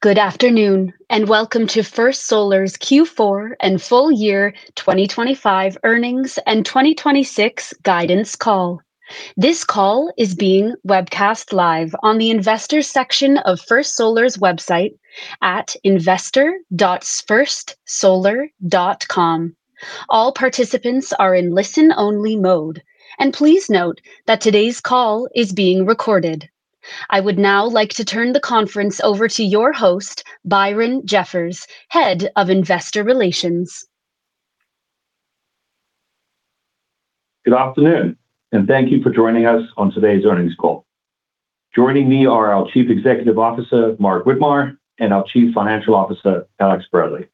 Good afternoon, and welcome to First Solar's Q4 and full-year 2025 earnings and 2026 guidance call. This call is being webcast live on the Investors section of First Solar's website at investor.firstsolar.com. All participants are in listen-only mode, and please note that today's call is being recorded. I would now like to turn the conference over to your host, Byron Jeffers, Head of Investor Relations. Good afternoon, and thank you for joining us on today's earnings call. Joining me are our Chief Executive Officer, Mark Widmar, and our Chief Financial Officer, Alex Bradley.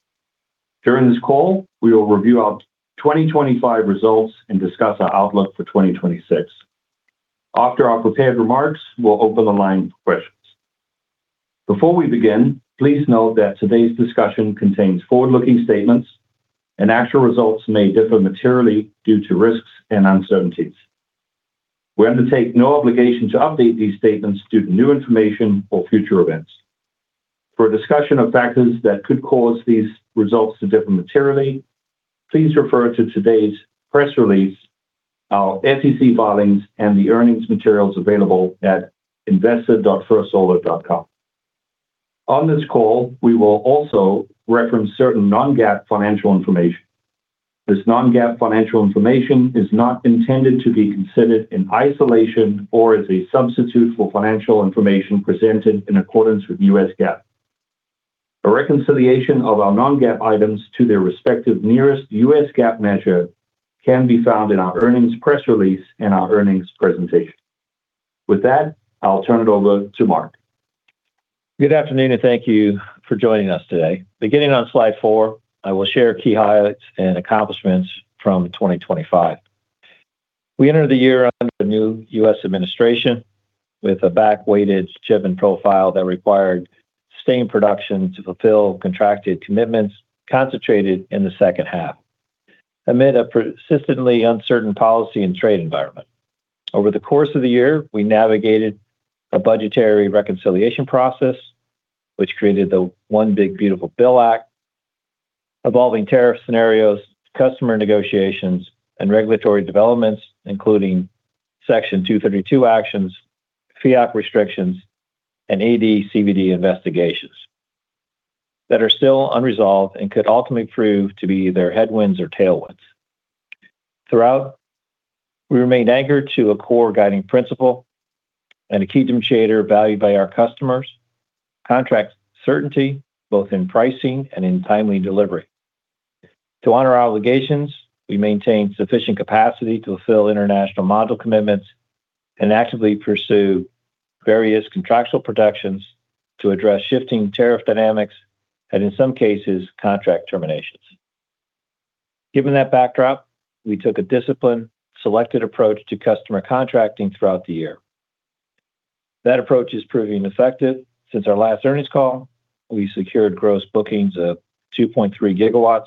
During this call, we will review our 2025 results and discuss our outlook for 2026. After our prepared remarks, we'll open the line for questions. Before we begin, please note that today's discussion contains forward-looking statements, and actual results may differ materially due to risks and uncertainties. We undertake no obligation to update these statements due to new information or future events. For a discussion of factors that could cause these results to differ materially, please refer to today's press release, our SEC filings, and the earnings materials available at investor.firstsolar.com. On this call, we will also reference certain non-GAAP financial information. This non-GAAP financial information is not intended to be considered in isolation or as a substitute for financial information presented in accordance with US GAAP. A reconciliation of our non-GAAP items to their respective nearest US GAAP measure can be found in our earnings press release and our earnings presentation. With that, I'll turn it over to Mark. Good afternoon. Thank you for joining us today. Beginning on slide four, I will share key highlights and accomplishments from 2025. We entered the year under the new U.S. administration with a back-weighted shipping profile that required sustained production to fulfill contracted commitments concentrated in the second half, amid a persistently uncertain policy and trade environment. Over the course of the year, we navigated a budgetary reconciliation process, which created the Build Back Better Act, evolving tariff scenarios, customer negotiations, and regulatory developments, including Section 232 actions, FEOC restrictions, and AD/CVD investigations that are still unresolved and could ultimately prove to be either headwinds or tailwinds. Throughout, we remained anchored to a core guiding principle and a key differentiator valued by our customers: contract certainty, both in pricing and in timely delivery. To honor our obligations, we maintain sufficient capacity to fulfill international module commitments and actively pursue various contractual productions to address shifting tariff dynamics and, in some cases, contract terminations. Given that backdrop, we took a disciplined, selected approach to customer contracting throughout the year. That approach is proving effective. Since our last earnings call, we secured gross bookings of 2.3 GW,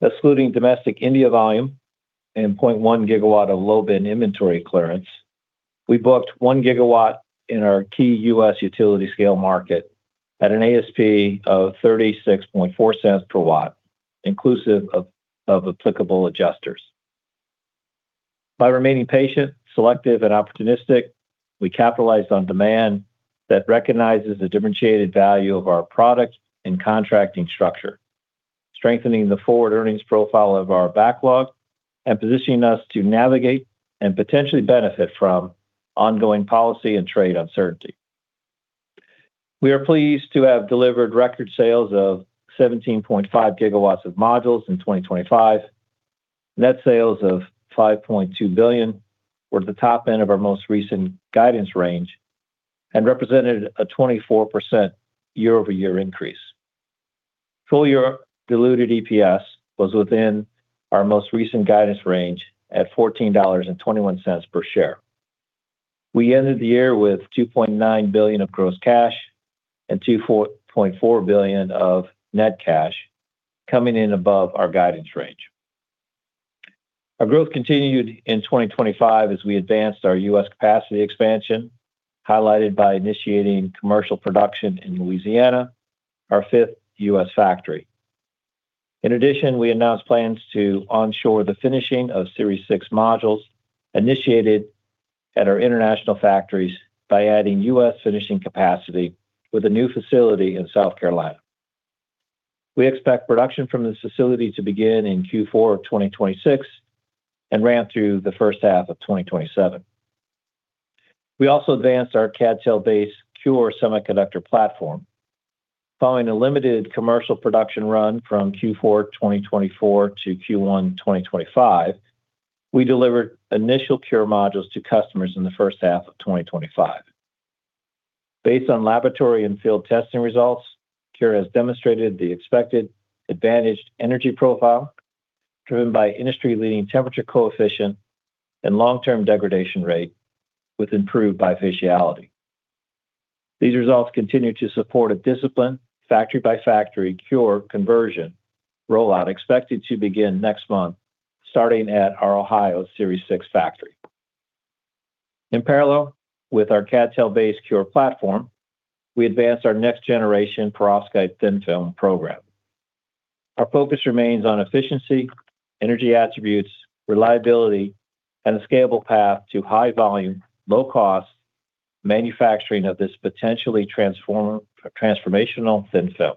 excluding domestic India volume and 0.1 GW of low-bin inventory clearance. We booked 1 gigawatt in our key U.S. utility scale market at an ASP of $0.364 per watt, inclusive of applicable adjusters. By remaining patient, selective, and opportunistic, we capitalized on demand that recognizes the differentiated value of our product and contracting structure, strengthening the forward earnings profile of our backlog and positioning us to navigate and potentially benefit from ongoing policy and trade uncertainty. We are pleased to have delivered record sales of 17.5 GW of modules in 2025. Net sales of $5.2 billion were at the top end of our most recent guidance range and represented a 24% year-over-year increase. full-year diluted EPS was within our most recent guidance range at $14.21 per share. We ended the year with $2.9 billion of gross cash and $2.4 billion of net cash, coming in above our guidance range. Our growth continued in 2025 as we advanced our U.S. capacity expansion, highlighted by initiating commercial production in Louisiana, our fifth U.S. factory. In addition, we announced plans to onshore the finishing of Series 6 modules initiated at our international factories by adding U.S. finishing capacity with a new facility in South Carolina. We expect production from this facility to begin in Q4 of 2026 and run through the first half of 2027. We also advanced our CdTe-based CuRe semiconductor platform. Following a limited commercial production run from Q4 2024 to Q1 2025, we delivered initial CuRe modules to customers in the first half of 2025. Based on laboratory and field testing results, CuRe has demonstrated the expected advantaged energy profile, driven by industry-leading temperature coefficient and long-term degradation rate with improved bifaciality. These results continue to support a disciplined factory-by-factory CuRe conversion rollout, expected to begin next month, starting at our Ohio Series 6 factory.... In parallel with our CdTe-based CuRe platform, we advanced our next generation perovskite thin film program. Our focus remains on efficiency, energy attributes, reliability, and a scalable path to high volume, low cost manufacturing of this potentially transformational thin film.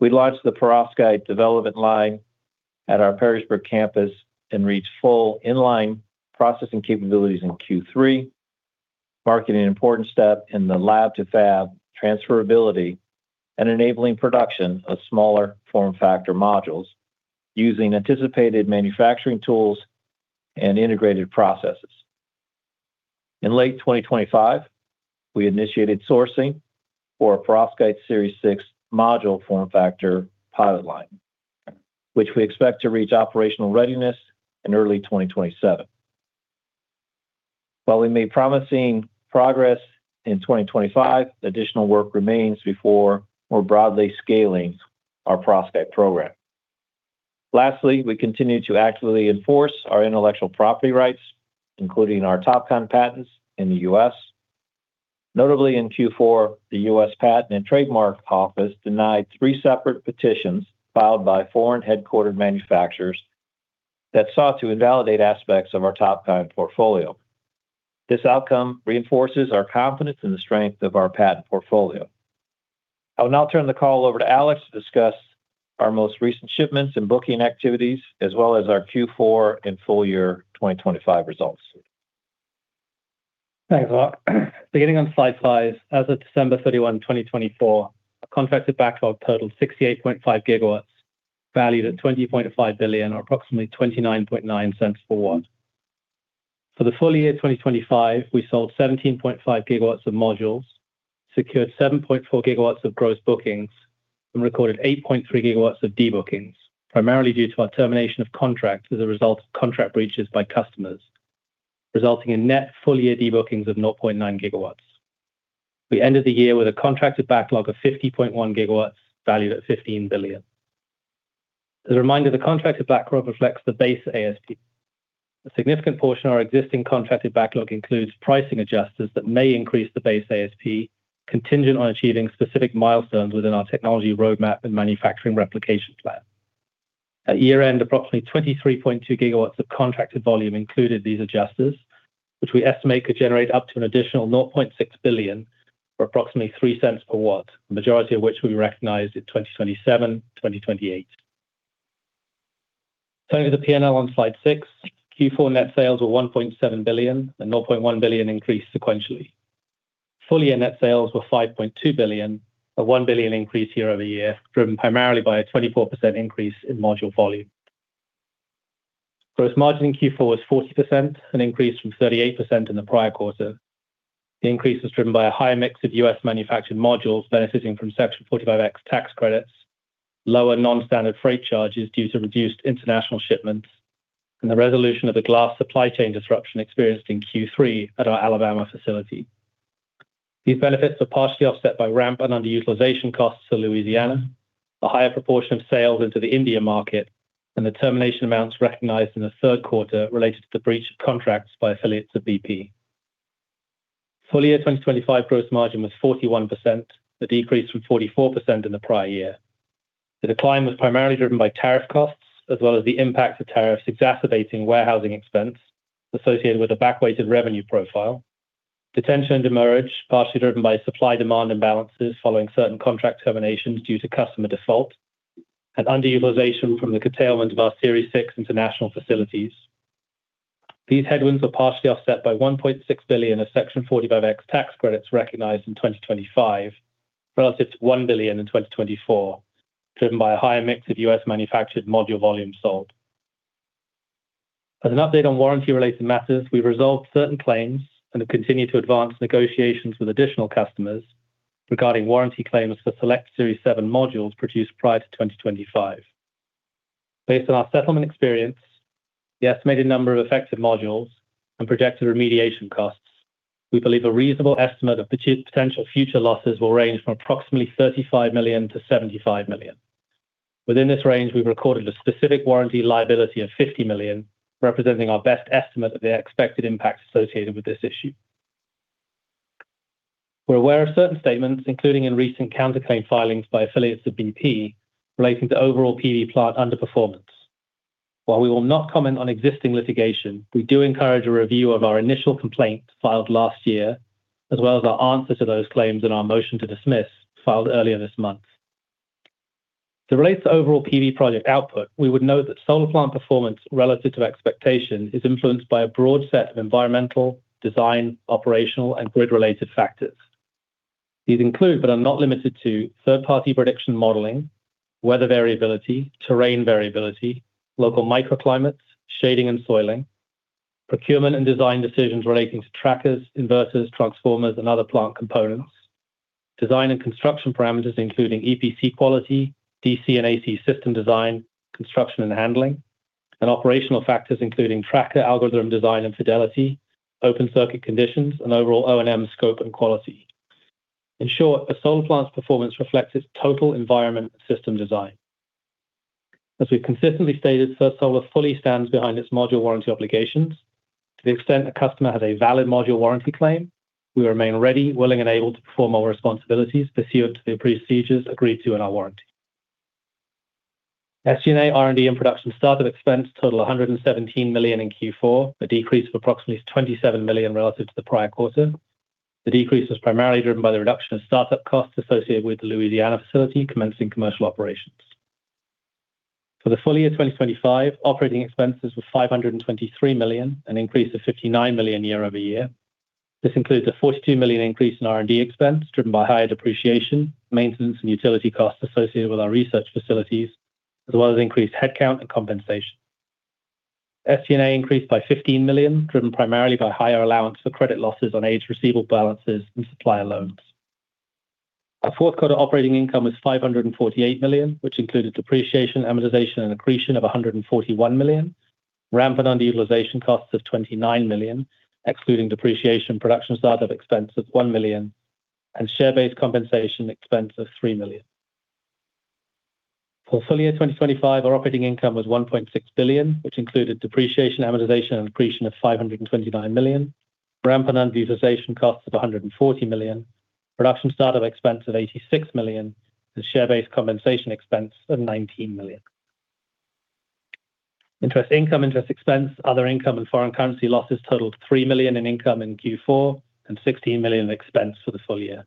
We launched the perovskite development line at our Perrysburg campus and reached full in-line processing capabilities in Q3, marking an important step in the lab to fab transferability and enabling production of smaller form factor modules using anticipated manufacturing tools and integrated processes. In late 2025, we initiated sourcing for a perovskite Series 6 module form factor pilot line, which we expect to reach operational readiness in early 2027. While we made promising progress in 2025, additional work remains before more broadly scaling our perovskite program. Lastly, we continue to actively enforce our intellectual property rights, including our TOPCon patents in the U.S. Notably, in Q4, the U.S. Patent and Trademark Office denied three separate petitions filed by foreign headquartered manufacturers that sought to invalidate aspects of our TOPCon portfolio. This outcome reinforces our confidence in the strength of our patent portfolio. I will now turn the call over to Alex to discuss our most recent shipments and booking activities, as well as our Q4 and full-year 2025 results. Thanks, Mark. Beginning on slide five, as of December 31, 2024, contracted backlog totaled 68.5 GW, valued at $20.5 billion or approximately $0.299 per watt. For the full-year 2025, we sold 17.5 GW of modules, secured 7.4 GW of gross bookings, and recorded 8.3 GW of debookings, primarily due to our termination of contract as a result of contract breaches by customers, resulting in net full-year debookings of 0.9 GW. We ended the year with a contracted backlog of 50.1 GW, valued at $15 billion. As a reminder, the contracted backlog reflects the base ASP. A significant portion of our existing contracted backlog includes pricing adjusters that may increase the base ASP, contingent on achieving specific milestones within our technology roadmap and manufacturing replication plan. At year-end, approximately 23.2 GW of contracted volume included these adjusters, which we estimate could generate up to an additional $0.6 billion, or approximately $0.03 per watt, the majority of which we recognized in 2027, 2028. Turning to the P&L on slide six, Q4 net sales were $1.7 billion, a $0.1 billion increase sequentially. Full-year net sales were $5.2 billion, a $1 billion increase year-over-year, driven primarily by a 24% increase in module volume. Gross margin in Q4 was 40%, an increase from 38% in the prior quarter. The increase was driven by a higher mix of U.S.-manufactured modules benefiting from Section 45X tax credits, lower non-standard freight charges due to reduced international shipments, and the resolution of the glass supply chain disruption experienced in Q3 at our Alabama facility. These benefits are partially offset by ramp and underutilization costs to Louisiana, a higher proportion of sales into the India market, and the termination amounts recognized in the third quarter related to the breach of contracts by affiliates of BP. full-year 2025 gross margin was 41%, a decrease from 44% in the prior year. The decline was primarily driven by tariff costs, as well as the impact of tariffs exacerbating warehousing expense associated with a back-weighted revenue profile, detention and demurrage, partially driven by supply-demand imbalances following certain contract terminations due to customer default, and underutilization from the curtailment of our Series 6 international facilities. These headwinds were partially offset by $1.6 billion of Section 45X tax credits recognized in 2025, relative to $1 billion in 2024, driven by a higher mix of US-manufactured module volume sold. As an update on warranty-related matters, we've resolved certain claims and have continued to advance negotiations with additional customers regarding warranty claims for select Series 7 modules produced prior to 2025. Based on our settlement experience, the estimated number of affected modules, and projected remediation costs, we believe a reasonable estimate of potential future losses will range from approximately $35 million to $75 million. Within this range, we've recorded a specific warranty liability of $50 million, representing our best estimate of the expected impacts associated with this issue. We're aware of certain statements, including in recent counterclaim filings by affiliates of BP, relating to overall PV plant underperformance. While we will not comment on existing litigation, we do encourage a review of our initial complaint filed last year, as well as our answer to those claims and our motion to dismiss, filed earlier this month. To relate to overall PV project output, we would note that solar plant performance relative to expectation is influenced by a broad set of environmental, design, operational, and grid-related factors. These include, but are not limited to, third-party prediction modeling, weather variability, terrain variability, local microclimates, shading and soiling, procurement and design decisions relating to trackers, inverters, transformers, and other plant components, design and construction parameters, including EPC quality, DC and AC system design, construction, and handling, and operational factors, including tracker, algorithm, design, and fidelity, open circuit conditions, and overall O&M scope and quality. In short, a solar plant's performance reflects its total environment system design. As we've consistently stated, First Solar fully stands behind its module warranty obligations. To the extent a customer has a valid module warranty claim, we remain ready, willing, and able to perform our responsibilities pursuant to the procedures agreed to in our warranty. SG&A, R&D, and production startup expense totaled $117 million in Q4, a decrease of approximately $27 million relative to the prior quarter. The decrease was primarily driven by the reduction of startup costs associated with the Louisiana facility commencing commercial operations. For the full-year 2025, operating expenses were $523 million, an increase of $59 million year-over-year. This includes a $42 million increase in R&D expense, driven by higher depreciation, maintenance, and utility costs associated with our research facilities, as well as increased headcount and compensation. SG&A increased by $15 million, driven primarily by higher allowance for credit losses on age receivable balances and supplier loans. Our fourth quarter operating income was $548 million, which included depreciation, amortization, and accretion of $141 million, ramp and underutilization costs of $29 million, excluding depreciation, production startup expense of $1 million, and share-based compensation expense of $3 million. For full-year 2025, our operating income was $1.6 billion, which included depreciation, amortization, and accretion of $529 million, ramp and underutilization costs of $140 million, production startup expense of $86 million, and share-based compensation expense of $19 million. Interest income, interest expense, other income, and foreign currency losses totaled $3 million in income in Q4 and $16 million in expense for the full-year.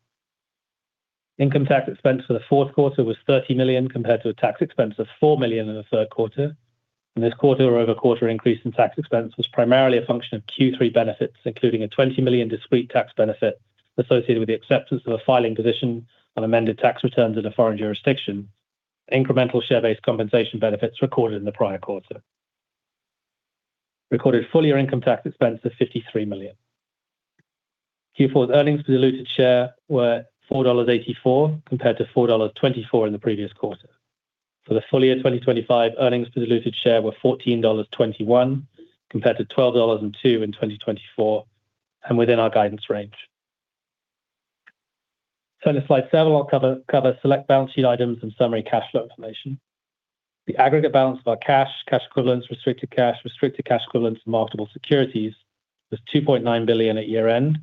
Income tax expense for the fourth quarter was $30 million, compared to a tax expense of $4 million in the third quarter. This quarter-over-quarter increase in tax expense was primarily a function of Q3 benefits, including a $20 million discrete tax benefit associated with the acceptance of a filing position on amended tax returns in a foreign jurisdiction, incremental share-based compensation benefits recorded in the prior quarter. Recorded full-year income tax expense of $53 million. Q4's earnings per diluted share were $4.84, compared to $4.24 in the previous quarter. For the full-year 2025, earnings per diluted share were $14.21, compared to $12.02 in 2024, and within our guidance range. Turning to Slide seven, I'll cover select balance sheet items and summary cash flow information. The aggregate balance of our cash equivalents, restricted cash, restricted cash equivalents, and marketable securities was $2.9 billion at year-end,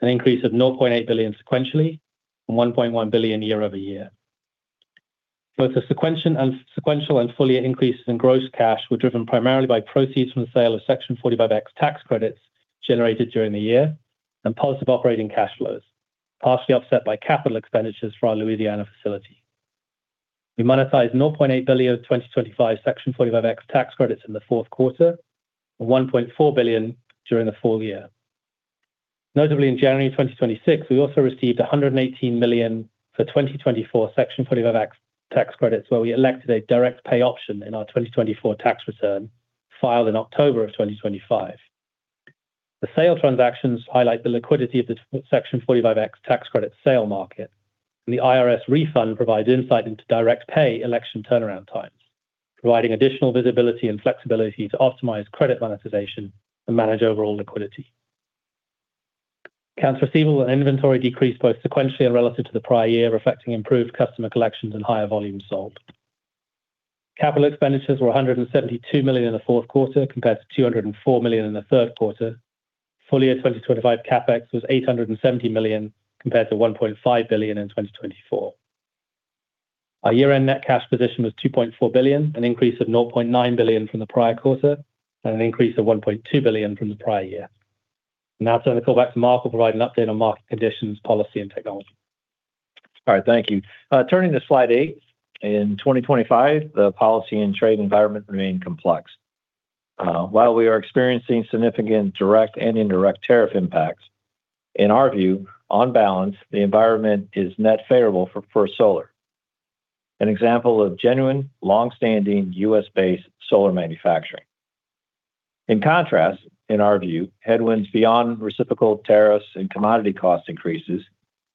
an increase of $0.8 billion sequentially and $1.1 billion year-over-year. Both the sequential and full-year increases in gross cash were driven primarily by proceeds from the sale of Section 45X tax credits generated during the year and positive operating cash flows, partially offset by capital expenditures for our Louisiana facility. We monetized $0.8 billion of 2025 Section 45X tax credits in the fourth quarter, and $1.4 billion during the full-year. Notably, in January 2026, we also received $118 million for 2024 Section 45X tax credits, where we elected a direct pay option in our 2024 tax return, filed in October 2025. The sale transactions highlight the liquidity of the Section 45X tax credit sale market, and the IRS refund provides insight into direct pay election turnaround times, providing additional visibility and flexibility to optimize credit monetization and manage overall liquidity. Accounts receivable and inventory decreased both sequentially and relative to the prior year, reflecting improved customer collections and higher volume sold. Capital expenditures were $172 million in the fourth quarter, compared to $204 million in the third quarter. full-year 2025 CapEx was $870 million, compared to $1.5 billion in 2024. Our year-end net cash position was $2.4 billion, an increase of $0.9 billion from the prior quarter, and an increase of $1.2 billion from the prior year. Now I'll turn the call back to Mark, who will provide an update on market conditions, policy, and technology. All right, thank you. Turning to Slide eight. In 2025, the policy and trade environment remained complex. While we are experiencing significant direct and indirect tariff impacts, in our view, on balance, the environment is net favorable for First Solar, an example of genuine, long-standing U.S.-based solar manufacturing. In contrast, in our view, headwinds beyond reciprocal tariffs and commodity cost increases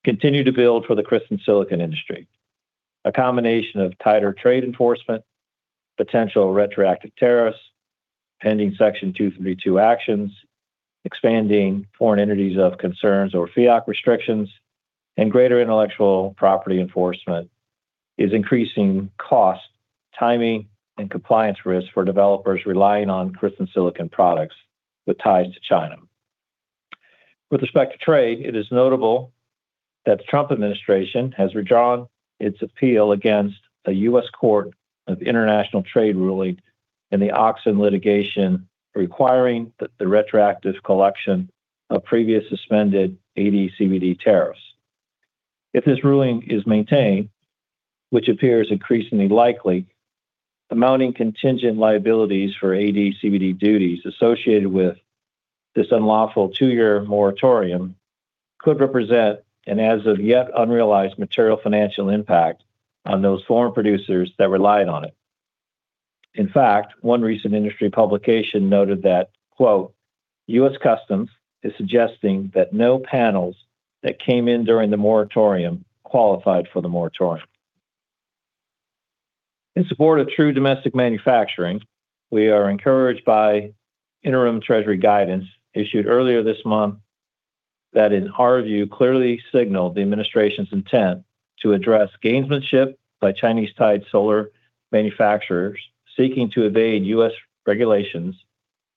continue to build for the crystalline silicon industry. A combination of tighter trade enforcement, potential retroactive tariffs, pending Section 232 actions, expanding foreign entities of concerns or FEOC restrictions, and greater intellectual property enforcement is increasing cost, timing, and compliance risks for developers relying on crystalline silicon products with ties to China. With respect to trade, it is notable that the Trump administration has withdrawn its appeal against a U.S. Court of International Trade ruling in the Auxin litigation, requiring that the retroactive collection of previous suspended AD/CVD tariffs. If this ruling is maintained, which appears increasingly likely, amounting contingent liabilities for AD/CVD duties associated with this unlawful two-year moratorium could represent an as of yet unrealized material financial impact on those foreign producers that relied on it. In fact, one recent industry publication noted that, quote, "U.S. Customs is suggesting that no panels that came in during the moratorium qualified for the moratorium." In support of true domestic manufacturing, we are encouraged by interim Department of the Treasury guidance issued earlier this month. that in our view, clearly signal the administration's intent to address gamesmanship by Chinese-tied solar manufacturers seeking to evade U.S. regulations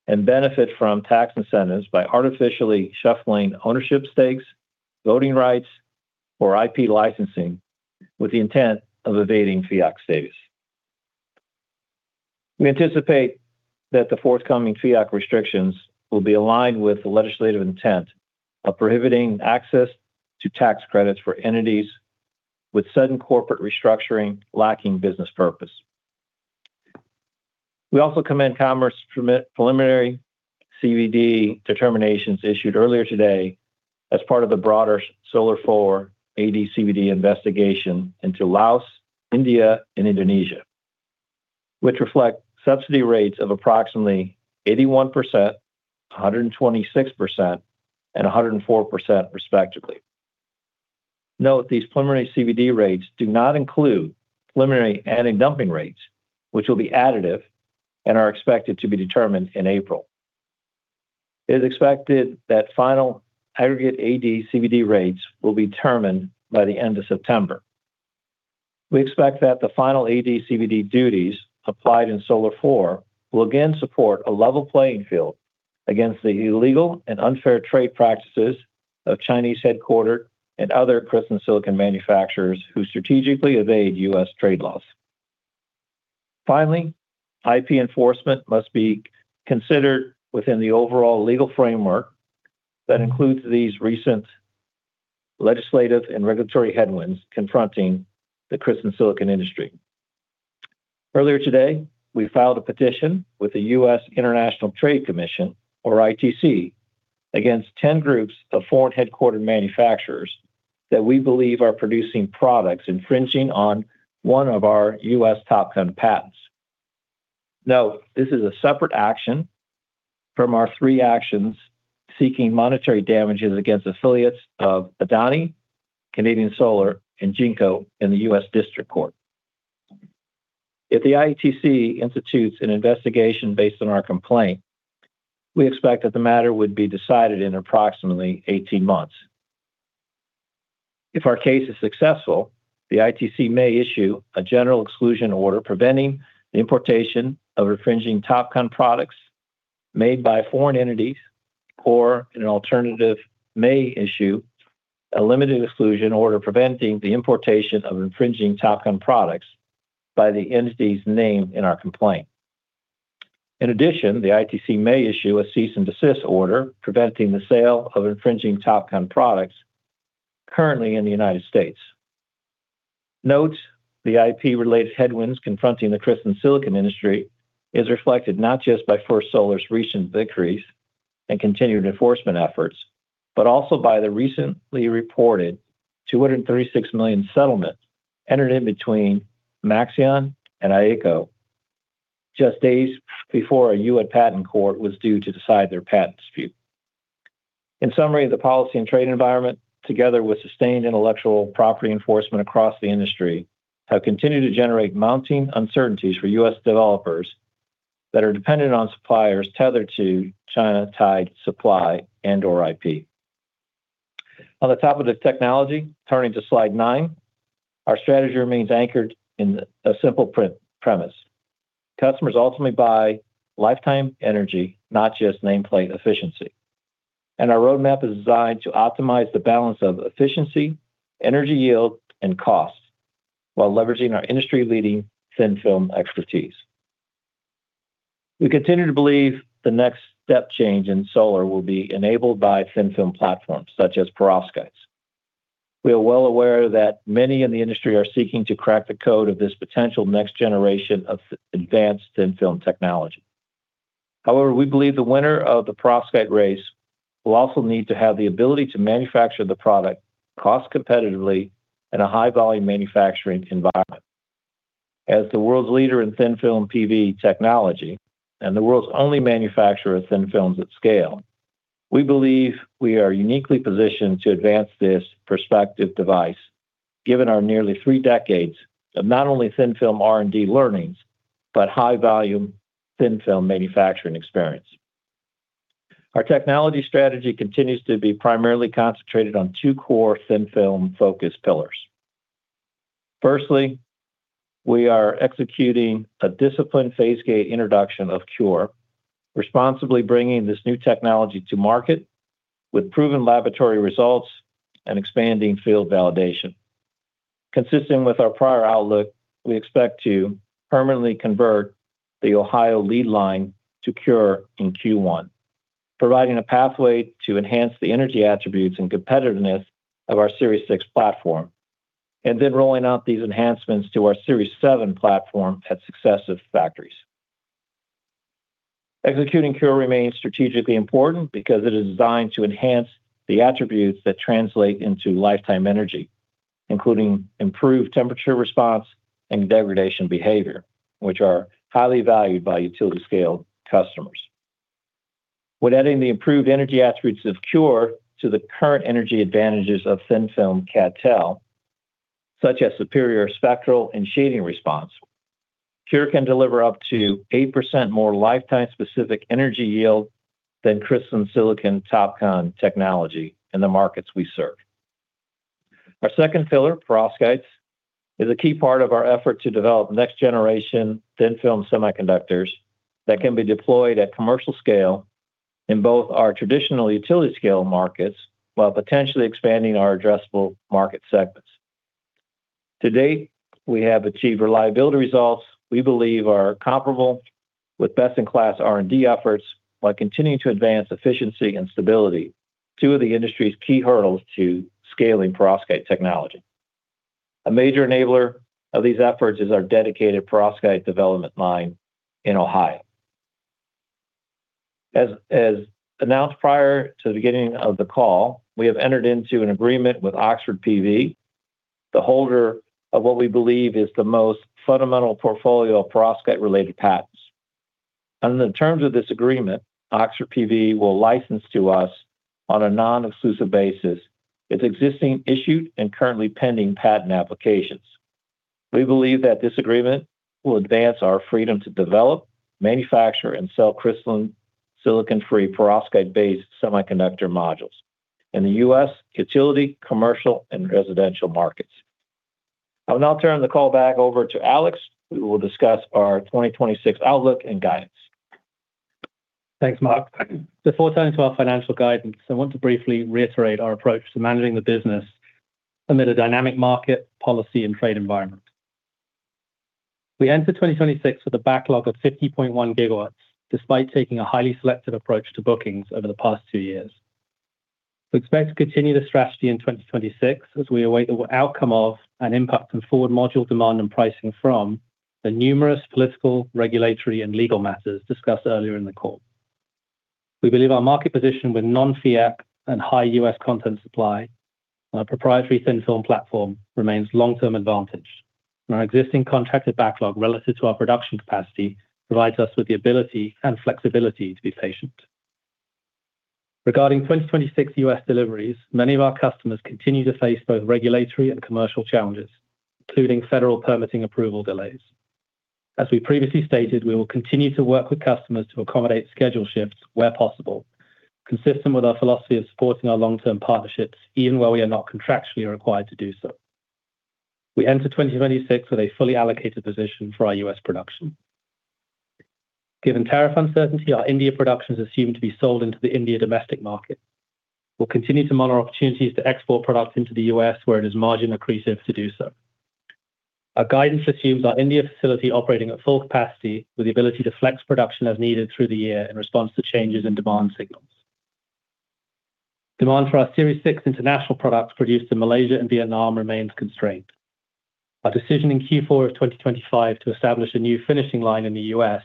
and benefit from tax incentives by artificially shuffling ownership stakes, voting rights, or IP licensing with the intent of evading FEOC status. We anticipate that the forthcoming FEOC restrictions will be aligned with the legislative intent of prohibiting access to tax credits for entities with sudden corporate restructuring, lacking business purpose. We also commend Commerce preliminary CVD determinations issued earlier today as part of the broader Solar IV AD/CVD investigation into Laos, India, and Indonesia, which reflect subsidy rates of approximately 81%, 126%, and 104% respectively. Note. These preliminary CVD rates do not include preliminary anti-dumping rates, which will be additive and are expected to be determined in April. It is expected that final aggregate AD/CVD rates will be determined by the end of September. We expect that the final AD/CVD duties applied in Solar IV will again support a level playing field against the illegal and unfair trade practices of Chinese-headquartered and other crystalline silicon manufacturers who strategically evade U.S. trade laws. Finally, IP enforcement must be considered within the overall legal framework that includes these recent legislative and regulatory headwinds confronting the crystalline silicon industry. Earlier today, we filed a petition with the United States International Trade Commission, or ITC, against 10 groups of foreign-headquartered manufacturers that we believe are producing products infringing on one of our U.S. TOPCon patents. This is a separate action from our three actions seeking monetary damages against affiliates of Adani, Canadian Solar, and JinkoSolar in the United States District Court. If the ITC institutes an investigation based on our complaint, we expect that the matter would be decided in approximately 18 months. If our case is successful, the ITC may issue a general exclusion order preventing the importation of infringing TOPCon products made by foreign entities, or in an alternative, may issue a limited exclusion order preventing the importation of infringing TOPCon products by the entities named in our complaint. The ITC may issue a cease and desist order, preventing the sale of infringing TOPCon products currently in the United States. Note, the IP-related headwinds confronting the crystalline silicon industry is reflected not just by First Solar's recent victories and continued enforcement efforts, but also by the recently reported $236 million settlement entered in between Maxeon and Aiko just days before a U.S. patent court was due to decide their patent dispute. In summary, the policy and trade environment, together with sustained intellectual property enforcement across the industry, have continued to generate mounting uncertainties for U.S. developers that are dependent on suppliers tethered to China-tied supply and/or IP. On the top of the technology, turning to slide nine, our strategy remains anchored in a simple premise. Customers ultimately buy lifetime energy, not just nameplate efficiency, and our roadmap is designed to optimize the balance of efficiency, energy yield, and costs while leveraging our industry-leading thin-film expertise. We continue to believe the next step change in solar will be enabled by thin-film platforms such as perovskites. We are well aware that many in the industry are seeking to crack the code of this potential next generation of advanced thin-film technology. We believe the winner of the perovskite race will also need to have the ability to manufacture the product cost-competitively in a high-volume manufacturing environment. As the world's leader in thin-film PV technology and the world's only manufacturer of thin films at scale, we believe we are uniquely positioned to advance this prospective device, given our nearly three decades of not only thin-film R&D learnings, but high-volume thin-film manufacturing experience. Our technology strategy continues to be primarily concentrated on two core thin-film-focused pillars. Firstly, we are executing a disciplined phase gate introduction of CuRe, responsibly bringing this new technology to market with proven laboratory results and expanding field validation. Consistent with our prior outlook, we expect to permanently convert the Ohio lead line to CuRe in Q1, providing a pathway to enhance the energy attributes and competitiveness of our Series 6 platform, and then rolling out these enhancements to our Series 7 platform at successive factories. Executing CuRe remains strategically important because it is designed to enhance the attributes that translate into lifetime energy, including improved temperature response and degradation behavior, which are highly valued by utility-scale customers. When adding the improved energy attributes of CuRe to the current energy advantages of thin-film CdTe, such as superior spectral and shading response. CuRe can deliver up to 8% more lifetime specific energy yield than crystalline silicon TOPCon technology in the markets we serve. Our second pillar, perovskite, is a key part of our effort to develop next generation thin-film semiconductors that can be deployed at commercial scale in both our traditional utility scale markets, while potentially expanding our addressable market segments. To date, we have achieved reliability results we believe are comparable with best-in-class R&D efforts, while continuing to advance efficiency and stability, two of the industry's key hurdles to scaling perovskite technology. A major enabler of these efforts is our dedicated perovskite development line in Ohio. As announced prior to the beginning of the call, we have entered into an agreement with Oxford PV, the holder of what we believe is the most fundamental portfolio of perovskite-related patents. Under the terms of this agreement, Oxford PV will license to us, on a non-exclusive basis, its existing issued and currently pending patent applications. We believe that this agreement will advance our freedom to develop, manufacture, and sell crystalline silicon-free, perovskite-based semiconductor modules in the U.S. utility, commercial, and residential markets. I will now turn the call back over to Alex, who will discuss our 2026 outlook and guidance. Thanks, Mark. Before turning to our financial guidance, I want to briefly reiterate our approach to managing the business amid a dynamic market, policy, and trade environment. We enter 2026 with a backlog of 50.1 GW, despite taking a highly selective approach to bookings over the past two years. We expect to continue this strategy in 2026 as we await the outcome of, and impact on forward module demand and pricing from, the numerous political, regulatory, and legal matters discussed earlier in the call. We believe our market position with non-FEOC and high U.S. content supply, and our proprietary thin-film platform remains long-term advantage. Our existing contracted backlog relative to our production capacity, provides us with the ability and flexibility to be patient. Regarding 2026 U.S. deliveries, many of our customers continue to face both regulatory and commercial challenges, including federal permitting approval delays. As we previously stated, we will continue to work with customers to accommodate schedule shifts, where possible, consistent with our philosophy of supporting our long-term partnerships, even where we are not contractually required to do so. We enter 2026 with a fully allocated position for our U.S. production. Given tariff uncertainty, our India productions are assumed to be sold into the India domestic market. We'll continue to monitor opportunities to export products into the U.S., where it is margin accretive to do so. Our guidance assumes our India facility operating at full capacity, with the ability to flex production as needed through the year in response to changes in demand signals. Demand for our Series 6 international products produced in Malaysia and Vietnam remains constrained. Our decision in Q4 of 2025 to establish a new finishing line in the U.S.,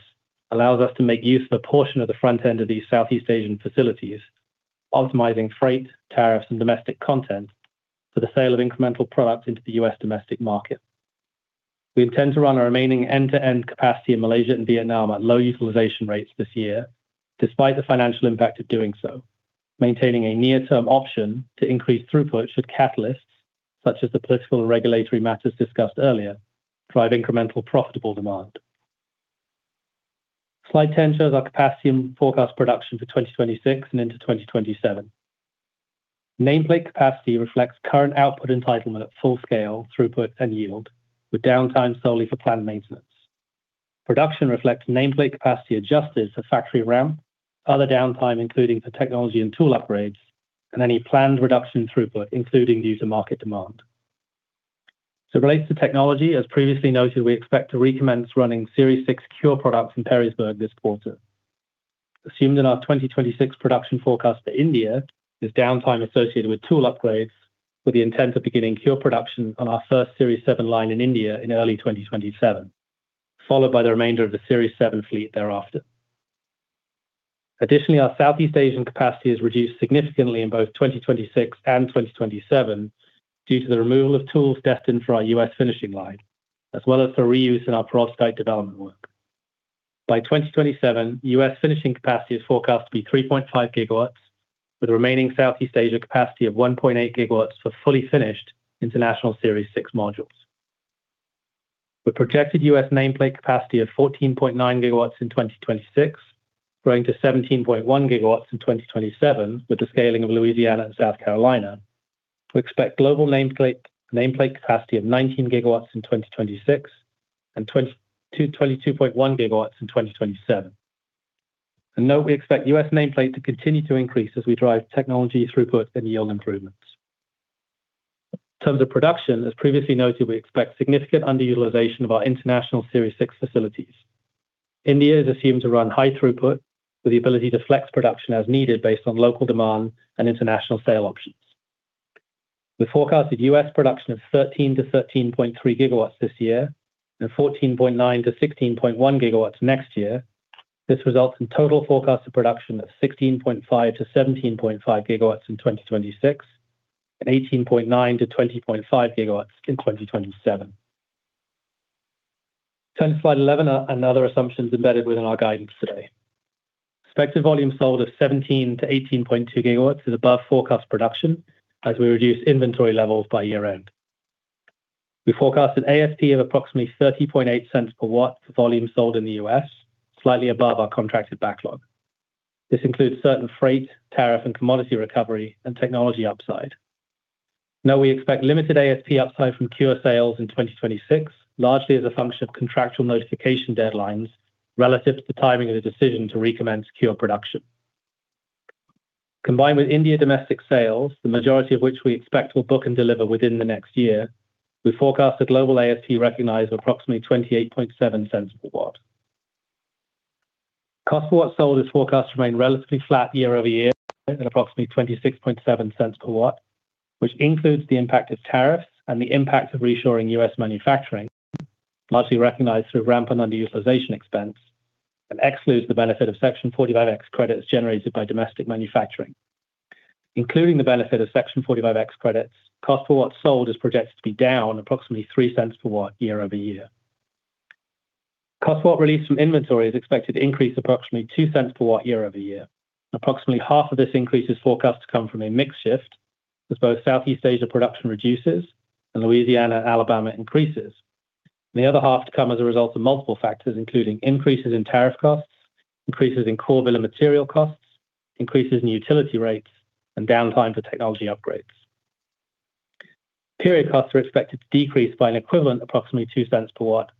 allows us to make use of a portion of the front end of these Southeast Asian facilities, optimizing freight, tariffs, and domestic content for the sale of incremental products into the U.S. domestic market. We intend to run our remaining end-to-end capacity in Malaysia and Vietnam at low utilization rates this year, despite the financial impact of doing so, maintaining a near-term option to increase throughput should catalysts, such as the political and regulatory matters discussed earlier, drive incremental profitable demand. Slide 10 shows our capacity and forecast production for 2026 and into 2027. Nameplate capacity reflects current output entitlement at full scale, throughput, and yield, with downtime solely for planned maintenance. Production reflects nameplate capacity adjusted for factory ramp, other downtime, including for technology and tool upgrades, and any planned reduction in throughput, including due to market demand. Related to technology, as previously noted, we expect to recommence running Series 6 CuRe products in Perrysburg this quarter. Assumed in our 2026 production forecast for India, is downtime associated with tool upgrades, with the intent of beginning CuRe production on our first Series 7 line in India in early 2027, followed by the remainder of the Series 7 fleet thereafter. Additionally, our Southeast Asian capacity is reduced significantly in both 2026 and 2027, due to the removal of tools destined for our U.S. finishing line, as well as for reuse in our perovskite development work. By 2027, U.S. finishing capacity is forecast to be 3.5 GW, with a remaining Southeast Asia capacity of 1.8 GW for fully finished International Series 6 modules. With projected U.S. nameplate capacity of 14.9 GW in 2026, growing to 17.1 GW in 2027, with the scaling of Louisiana and South Carolina, we expect global nameplate capacity of 19 GW in 2026 and 22.1 GW in 2027. Note, we expect U.S. nameplate to continue to increase as we drive technology throughput and yield improvements. In terms of production, as previously noted, we expect significant underutilization of our International Series 6 facilities. India is assumed to run high throughput with the ability to flex production as needed based on local demand and international sale options. With forecasted U.S. production of 13-13.3 GW this year, and 14.9-16.1 GW next year, this results in total forecasted production of 16.5-17.5 GW in 2026, and 18.9-20.5 GW in 2027. Turn to slide 11. Other assumptions embedded within our guidance today. Expected volume sold of 17-18.2 GW is above forecast production as we reduce inventory levels by year-end. We forecast an ASP of approximately $0.308 per watt for volume sold in the U.S., slightly above our contracted backlog. This includes certain freight, tariff, and commodity recovery and technology upside. We expect limited ASP upside from CuRe sales in 2026, largely as a function of contractual notification deadlines relative to the timing of the decision to recommend secure production. Combined with India domestic sales, the majority of which we expect will book and deliver within the next year, we forecast a global ASP recognized of approximately $0.287 per watt. Cost per watt sold is forecast to remain relatively flat year-over-year at approximately $0.267 per watt, which includes the impact of tariffs and the impact of reshoring U.S. manufacturing, largely recognized through ramp and underutilization expense, and excludes the benefit of Section 45X credits generated by domestic manufacturing. Including the benefit of Section 45X credits, cost for what sold is projected to be down approximately $0.03 per watt year-over-year. Cost per watt released from inventory is expected to increase approximately $0.02 per watt year-over-year. Approximately half of this increase is forecast to come from a mix shift, as both Southeast Asia production reduces and Louisiana, Alabama increases. The other half to come as a result of multiple factors, including increases in tariff costs, increases in core bill of material costs, increases in utility rates, and downtime for technology upgrades. Period costs are expected to decrease by an equivalent approximately $0.02 per watt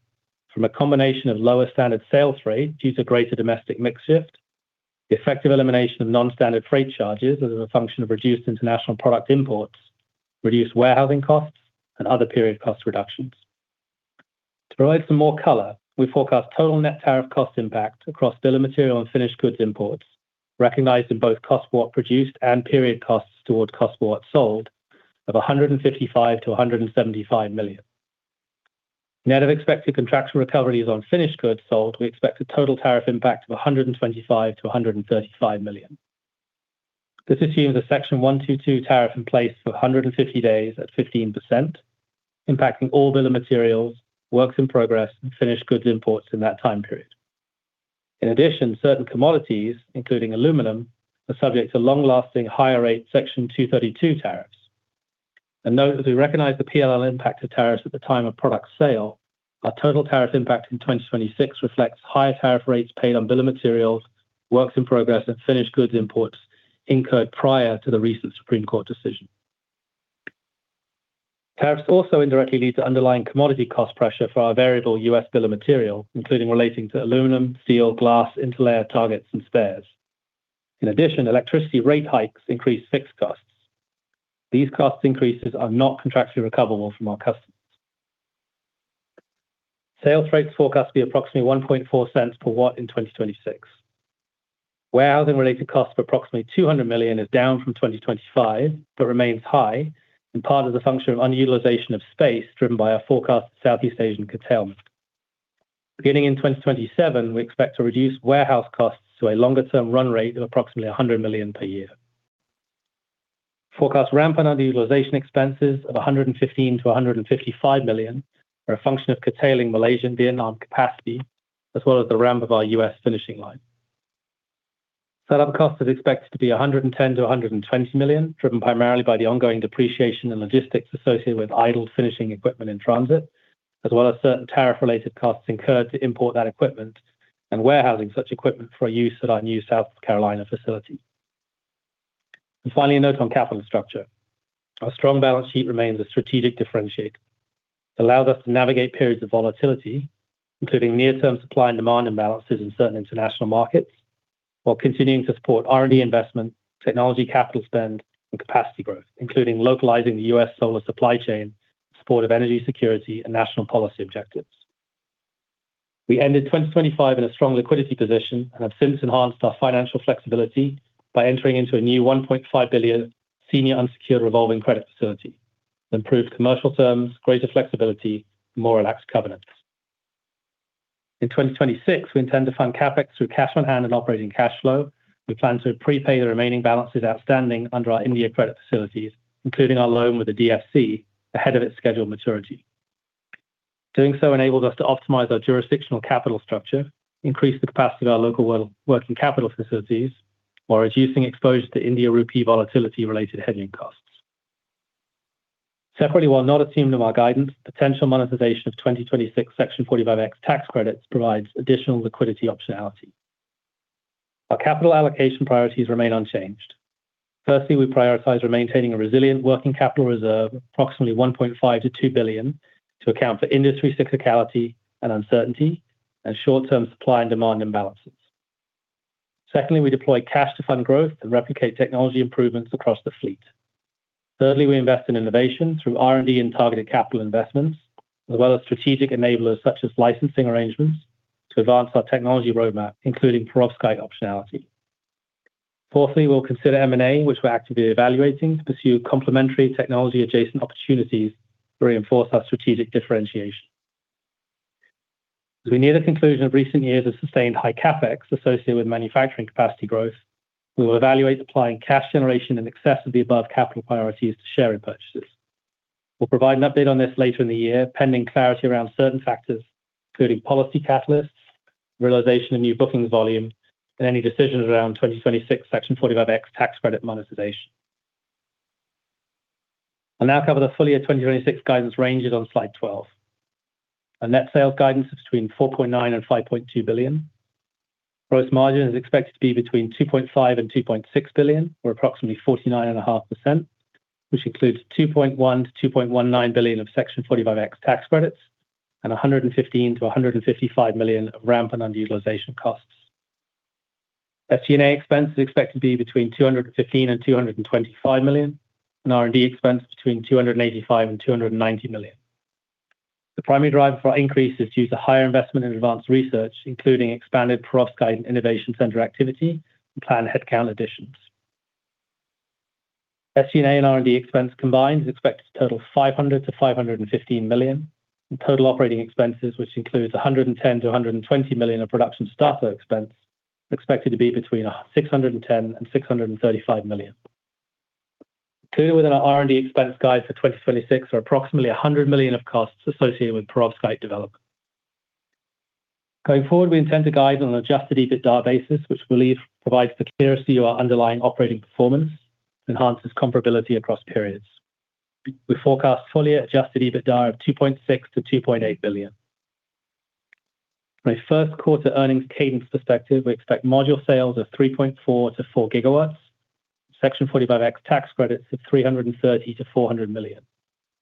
from a combination of lower standard sales rate due to greater domestic mix shift, the effective elimination of non-standard freight charges as a function of reduced international product imports, reduced warehousing costs, and other period cost reductions. To provide some more color, we forecast total net tariff cost impact across bill of material and finished goods imports, recognized in both Cost per watt produced and period costs toward cost what sold of $155 million-$175 million. Net of expected contractual recoveries on finished goods sold, we expect a total tariff impact of $125 million-$135 million. This assumes a Section 122 tariff in place for 150 days at 15%, impacting all bill of materials, works in progress, and finished goods imports in that time period. In addition, certain commodities, including aluminum, are subject to long-lasting, higher rate Section 232 tariffs. Note that we recognize the P&L impact of tariffs at the time of product sale. Our total tariff impact in 2026 reflects higher tariff rates paid on bill of materials, works in progress, and finished goods imports incurred prior to the recent Supreme Court decision. Tariffs also indirectly lead to underlying commodity cost pressure for our variable U.S. bill of material, including relating to aluminum, steel, glass, interlayer targets, and spares. Electricity rate hikes increase fixed costs. These cost increases are not contractually recoverable from our customers. Sales rates forecast to be approximately $0.014 per watt in 2026. Warehousing-related cost of approximately $200 million is down from 2025, but remains high, and part of the function of underutilization of space, driven by our forecast Southeast Asian curtailment. Beginning in 2027, we expect to reduce warehouse costs to a longer-term run rate of approximately $100 million per year. Forecast ramp and underutilization expenses of $115-155 million are a function of curtailing Malaysian, Vietnam capacity, as well as the ramp of our U.S. finishing line. Setup costs is expected to be $110-120 million, driven primarily by the ongoing depreciation and logistics associated with idled finishing equipment in transit, as well as certain tariff-related costs incurred to import that equipment and warehousing such equipment for use at our new South Carolina facility. Finally, a note on capital structure. Our strong balance sheet remains a strategic differentiator. It allows us to navigate periods of volatility, including near-term supply and demand imbalances in certain international markets, while continuing to support R&D investment, technology capital spend, and capacity growth, including localizing the U.S. solar supply chain in support of energy security and national policy objectives. We ended 2025 in a strong liquidity position and have since enhanced our financial flexibility by entering into a new $1.5 billion senior unsecured revolving credit facility, improved commercial terms, greater flexibility, more relaxed covenants. In 2026, we intend to fund CapEx through cash on hand and operating cash flow. We plan to prepay the remaining balances outstanding under our India credit facilities, including our loan with the DFC, ahead of its scheduled maturity. Doing so enables us to optimize our jurisdictional capital structure, increase the capacity of our local working capital facilities, while reducing exposure to India rupee volatility-related hedging costs. Separately, while not assumed in our guidance, potential monetization of 2026 Section 45X tax credits provides additional liquidity optionality. Our capital allocation priorities remain unchanged. Firstly, we prioritize maintaining a resilient working capital reserve, approximately $1.5-2 billion, to account for industry cyclicality and uncertainty and short-term supply and demand imbalances. Secondly, we deploy cash to fund growth and replicate technology improvements across the fleet. Thirdly, we invest in innovation through R&D and targeted capital investments, as well as strategic enablers such as licensing arrangements, to advance our technology roadmap, including perovskite optionality. Fourthly, we'll consider M&A, which we're actively evaluating, to pursue complementary technology-adjacent opportunities to reinforce our strategic differentiation. As we near the conclusion of recent years of sustained high CapEx associated with manufacturing capacity growth. We will evaluate applying cash generation in excess of the above capital priorities to share repurchases. We'll provide an update on this later in the year, pending clarity around certain factors, including policy catalysts, realization of new bookings volume, and any decisions around 2026 Section 45X tax credit monetization. I'll now cover the full-year 2026 guidance ranges on slide 12. Our net sales guidance is between $4.9-5.2 billion. Gross margin is expected to be between $2.5-2.6 billion, or approximately 49.5%, which includes $2.1-2.19 billion of Section 45X tax credits and $115-155 million of ramp and underutilization costs. SG&A expense is expected to be between $215-225 million, and R&D expense between $285-290 million. The primary driver for our increase is due to higher investment in advanced research, including expanded perovskite and innovation center activity and planned headcount additions. SG&A and R&D expense combined is expected to total $500-515 million, and total operating expenses, which includes $110-120 million of production startup expense, expected to be between $610 million and $635 million. Included within our R&D expense guide for 2026 are approximately $100 million of costs associated with perovskite development. Going forward, we intend to guide on an adjusted EBITDA basis, which we believe provides the clarity to our underlying operating performance and enhances comparability across periods. We forecast full-year adjusted EBITDA of $2.6-2.8 billion. My 1st quarter earnings cadence perspective, we expect module sales of 3.4-4 GW, Section 45X tax credits of $330-400 million,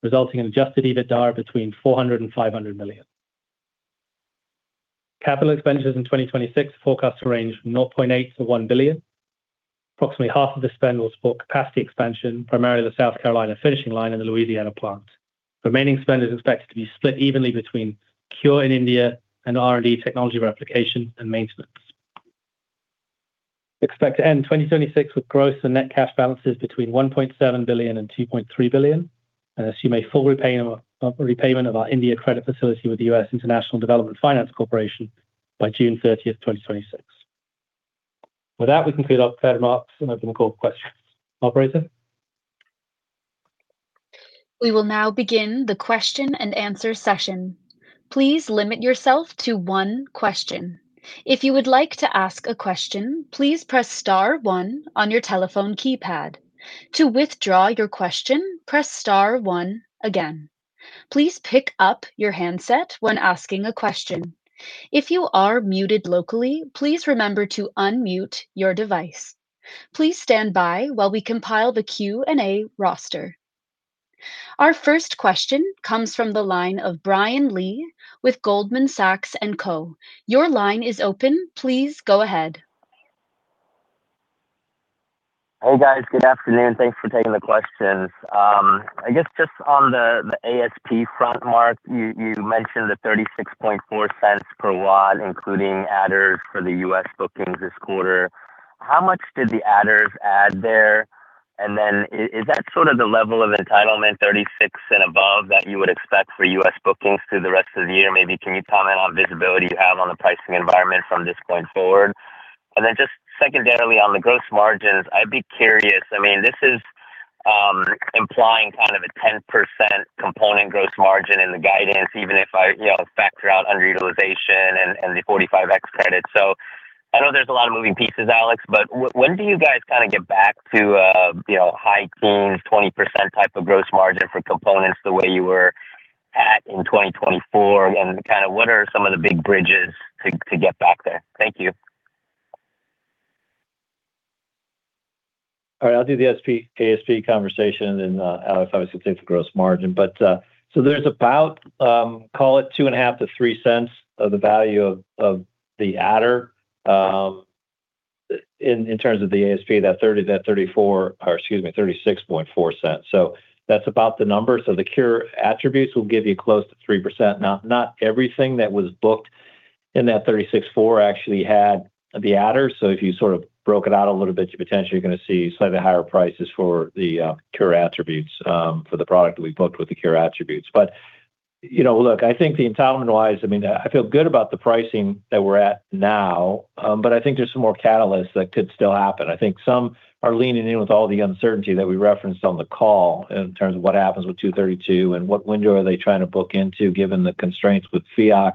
resulting in adjusted EBITDA between $400 million and $500 million. Capital expenditures in 2026 forecast to range from $0.8-1 billion. Approximately half of the spend was for capacity expansion, primarily the South Carolina finishing line and the Louisiana plant. Remaining spend is expected to be split evenly between CuRe in India and R&D technology replication and maintenance. Expect to end 2026 with gross and net cash balances between $1.7 billion and $2.3 billion, and assume a full repayment of our India credit facility with the U.S. International Development Finance Corporation by June 30th, 2026. With that, we conclude our prepared remarks and open the call for questions. Operator? We will now begin the question and answer session. Please limit yourself to one question. If you would like to ask a question, please press star one on your telephone keypad. To withdraw your question, press star one again. Please pick up your handset when asking a question. If you are muted locally, please remember to unmute your device. Please stand by while we compile the Q&A roster. Our first question comes from the line of Brian Lee with Goldman Sachs. Your line is open. Please go ahead. Hey, guys. Good afternoon. Thanks for taking the questions. I guess just on the ASP front, Mark, you mentioned the $0.364 per watt, including adders for the U.S. bookings this quarter. How much did the adders add there? Is that sort of the level of entitlement, 36 and above, that you would expect for U.S. bookings through the rest of the year? Maybe can you comment on visibility you have on the pricing environment from this point forward? Just secondarily, on the gross margins, I'd be curious. I mean, this is implying kind of a 10% component gross margin in the guidance, even if I, you know, factor out underutilization and the 45X credit. I know there's a lot of moving pieces, Alex, but when do you guys kind of get back to, you know, high teens, 20% type of gross margin for components the way you were at in 2024? Kind of what are some of the big bridges to get back there? Thank you. All right, I'll do the ASP conversation. Alex, obviously, take the gross margin. There's about two and a half cents to $0.03 of the value of the adder in terms of the ASP, that $0.364. That's about the number. The CuRe attributes will give you close to 3%. Not everything that was booked in that $0.364 actually had the adder. If you sort of broke it out a little bit, you potentially are going to see slightly higher prices for the CuRe attributes for the product that we booked with the CuRe attributes. You know, look, I think the entitlement-wise, I mean, I feel good about the pricing that we're at now, but I think there's some more catalysts that could still happen. I think some are leaning in with all the uncertainty that we referenced on the call in terms of what happens with 232 and what window are they trying to book into, given the constraints with FEOC.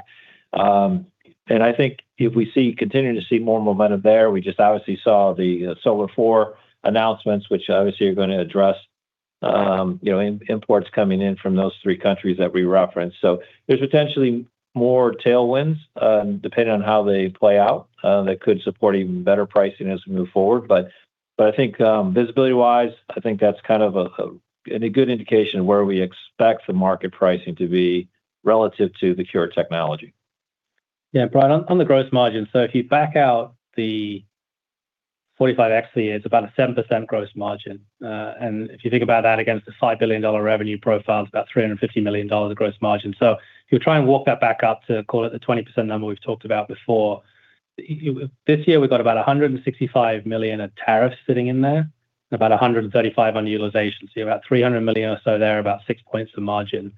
I think if we continue to see more momentum there, we just obviously saw the Solar IV announcements, which obviously are going to address, you know, imports coming in from those three countries that we referenced. There's potentially more tailwinds, depending on how they play out, that could support even better pricing as we move forward. I think, visibility-wise, I think that's kind of a good indication of where we expect the market pricing to be relative to the CuRe technology. Brian, on the gross margin, if you back out the 45X, it's about a 7% gross margin. If you think about that against the $5 billion revenue profile, it's about $350 million of gross margin. If you try and walk that back up to, call it, the 20% number we've talked about before, this year, we've got about $165 million of tariffs sitting in there, and about $135 million on utilization. About $300 million or so there, about six points of margin....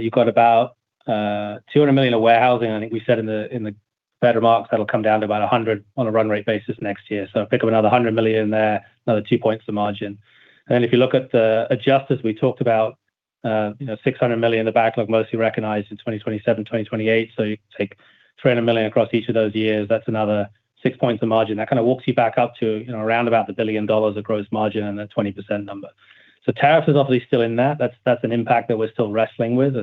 you've got about $200 million of warehousing. I think we said in the prepared remarks, that'll come down to about $100 million on a run rate basis next year. Pick up another $100 million there, another 2 points of margin. If you look at the adjusters, we talked about, you know, $600 million in the backlog, mostly recognized in 2027, 2028. You take $300 million across each of those years, that's another 6 points of margin. That kind of walks you back up to, you know, around about the $1 billion of gross margin and the 20% number. Tariff is obviously still in that's, that's an impact that we're still wrestling with.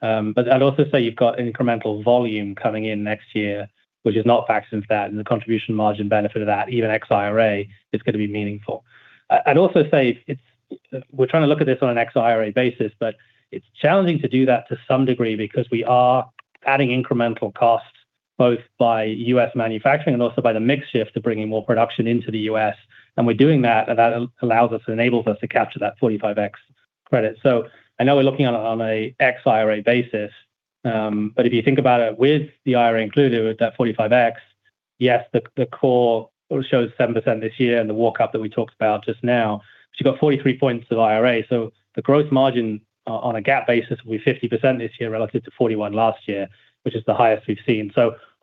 but I'd also say you've got incremental volume coming in next year, which is not factored into that, and the contribution margin benefit of that, even ex-IRA, is gonna be meaningful. I'd also say we're trying to look at this on an ex-IRA basis, but it's challenging to do that to some degree because we are adding incremental costs, both by U.S. manufacturing and also by the mix shift to bringing more production into the U.S. We're doing that, and that allows us, enables us to capture that 45X credit. I know we're looking on a ex-IRA basis, but if you think about it with the IRA included, with that 45X, yes, the core shows 7% this year and the walk up that we talked about just now. You've got 43 points of IRA. The growth margin on a GAAP basis will be 50% this year relative to 41% last year, which is the highest we've seen.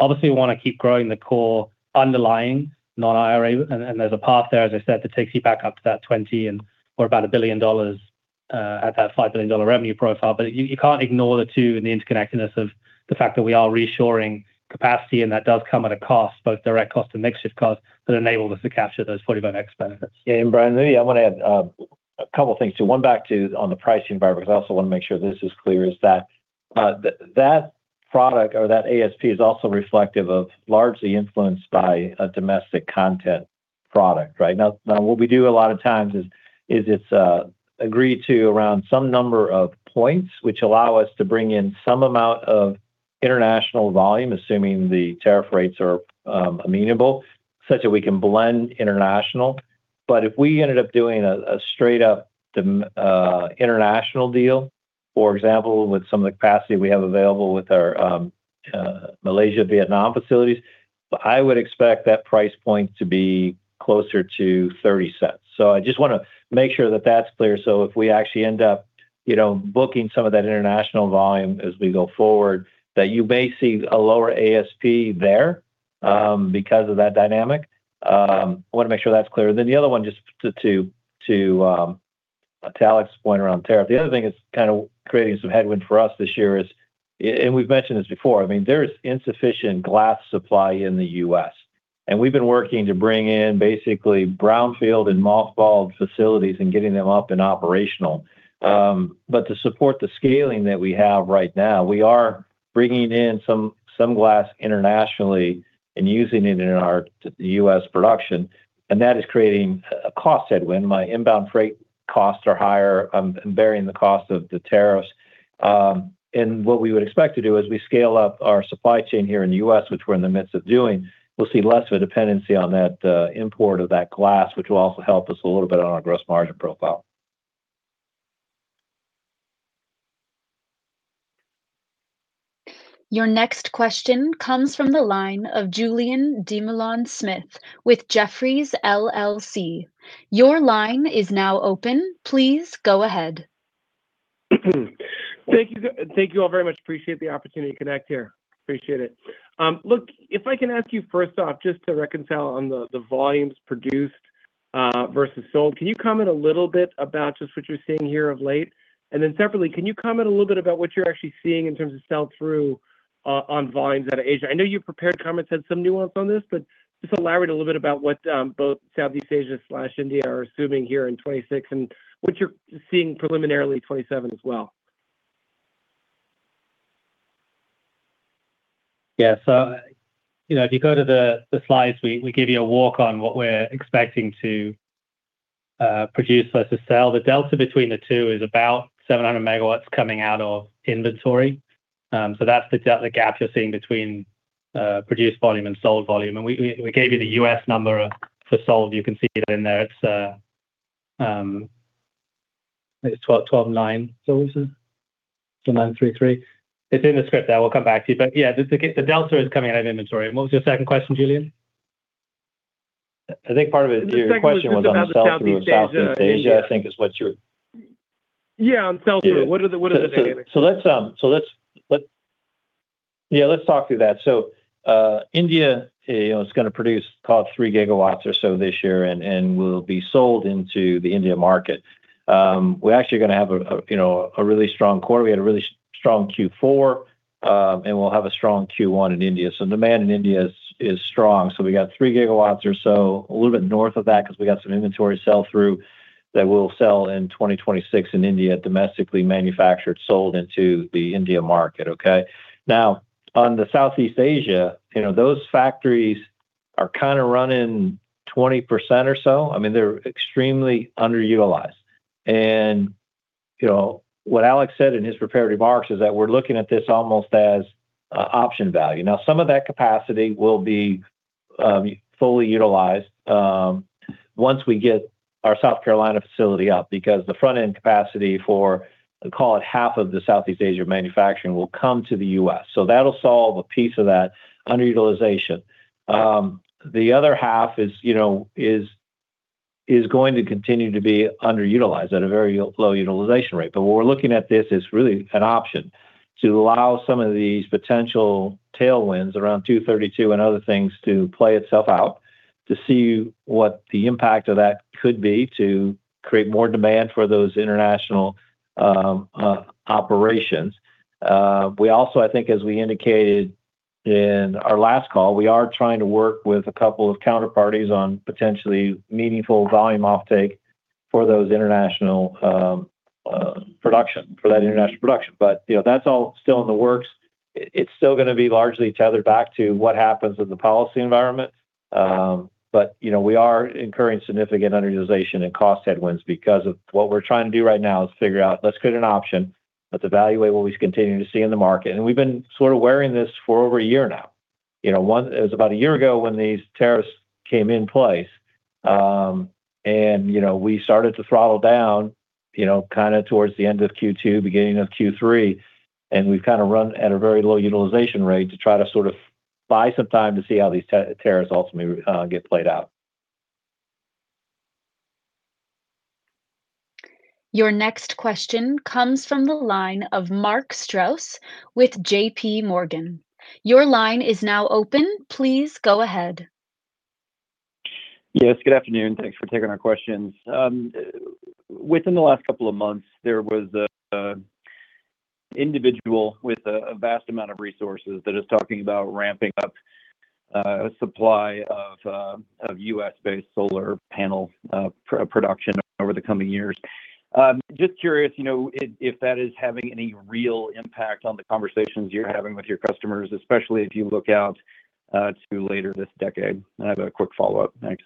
Obviously, we want to keep growing the core underlying non-IRA, and there's a path there, as I said, that takes you back up to that 20%, and we're about $1 billion at that $5 billion revenue profile. You can't ignore the two and the interconnectedness of the fact that we are reshoring capacity, and that does come at a cost, both direct cost and mix shift cost, that enable us to capture those 45X benefits. Yeah, Brian, I want to add a couple of things to. One, back to on the pricing environment, because I also want to make sure this is clear, is that that product or that ASP is also reflective of largely influenced by a domestic content product, right? Now, what we do a lot of times is it's agreed to around some number of points which allow us to bring in some amount of international volume, assuming the tariff rates are amenable, such that we can blend international. If we ended up doing a straight up international deal, for example, with some of the capacity we have available with our Malaysia, Vietnam facilities, I would expect that price point to be closer to $0.30. I just want to make sure that that's clear. If we actually end up, you know, booking some of that international volume as we go forward, that you may see a lower ASP there because of that dynamic. I want to make sure that's clear. The other one, just to Alex's point around tariff. The other thing is kind of creating some headwind for us this year is, and we've mentioned this before, I mean, there is insufficient glass supply in the US, and we've been working to bring in basically brownfield and mothballed facilities and getting them up and operational. To support the scaling that we have right now, we are bringing in some glass internationally and using it in our US production, and that is creating a cost headwind. My inbound freight costs are higher. I'm bearing the cost of the tariffs, and what we would expect to do as we scale up our supply chain here in the US, which we're in the midst of doing, we'll see less of a dependency on that import of that glass, which will also help us a little bit on our gross margin profile. Your next question comes from the line of Julien Dumoulin-Smith with Jefferies LLC. Your line is now open. Please go ahead. Thank you. Thank you all very much. Appreciate the opportunity to connect here. Appreciate it. Look, if I can ask you first off, just to reconcile on the volumes produced versus sold. Can you comment a little bit about just what you're seeing here of late? Separately, can you comment a little bit about what you're actually seeing in terms of sell-through on volumes out of Asia? I know you prepared comments had some nuance on this, but just elaborate a little bit about what both Southeast Asia/India are assuming here in 2026 and what you're seeing preliminarily in 2027 as well. Yeah. You know, if you go to the slides, we give you a walk on what we're expecting to produce versus sell. The delta between the two is about 700 MW coming out of inventory. That's the gap you're seeing between produced volume and sold volume. We gave you the U.S. number for sold. You can see it in there. It's 12.9. It's 9.33. It's in the script there. We'll come back to you. Yeah, the delta is coming out of inventory. What was your second question, Julien? I think part of it, your question was on the Southeast Asia, I think is what you're. Yeah, on sell-through. Yeah, let's talk through that. India is gonna produce called 3 GW or so this year and will be sold into the India market. We're actually gonna have a, you know, a really strong quarter. We had a really strong Q4 and we'll have a strong Q1 in India. Demand in India is strong. We got 3 GW or so, a little bit north of that because we got some inventory sell-through that will sell in 2026 in India, domestically manufactured, sold into the India market, okay? Now, on the Southeast Asia, you know, those factories are kind of running 20% or so. I mean, they're extremely underutilized. You know, what Alex said in his prepared remarks is that we're looking at this almost as option value. Some of that capacity will be fully utilized once we get our South Carolina facility up, because the front-end capacity for, call it, half of the Southeast Asia manufacturing will come to the U.S. That'll solve a piece of that underutilization. The other half is, you know. is going to continue to be underutilized at a very low utilization rate. What we're looking at this is really an option to allow some of these potential tailwinds around Section 232 and other things to play itself out, to see what the impact of that could be, to create more demand for those international operations. We also, I think as we indicated in our last call, we are trying to work with a couple of counterparties on potentially meaningful volume offtake for those international production. You know, that's all still in the works. It's still gonna be largely tethered back to what happens in the policy environment. You know, we are incurring significant underutilization and cost headwinds because of what we're trying to do right now is figure out, let's create an option, let's evaluate what we continue to see in the market. We've been sort of wearing this for over a year now. You know, it was about a year ago when these tariffs came in place, and, you know, we started to throttle down, you know, kinda towards the end of Q2, beginning of Q3, and we've kind of run at a very low utilization rate to try to sort of buy some time to see how these tariffs ultimately get played out. Your next question comes from the line of Mark Strouse with JP Morgan. Your line is now open. Please go ahead. Yes, good afternoon. Thanks for taking our questions. Within the last couple of months, there was a individual with a vast amount of resources that is talking about ramping up, supply of U.S.-based solar panel, production over the coming years. Just curious, you know, if that is having any real impact on the conversations you're having with your customers, especially if you look out, to later this decade. I have a quick follow-up. Thanks.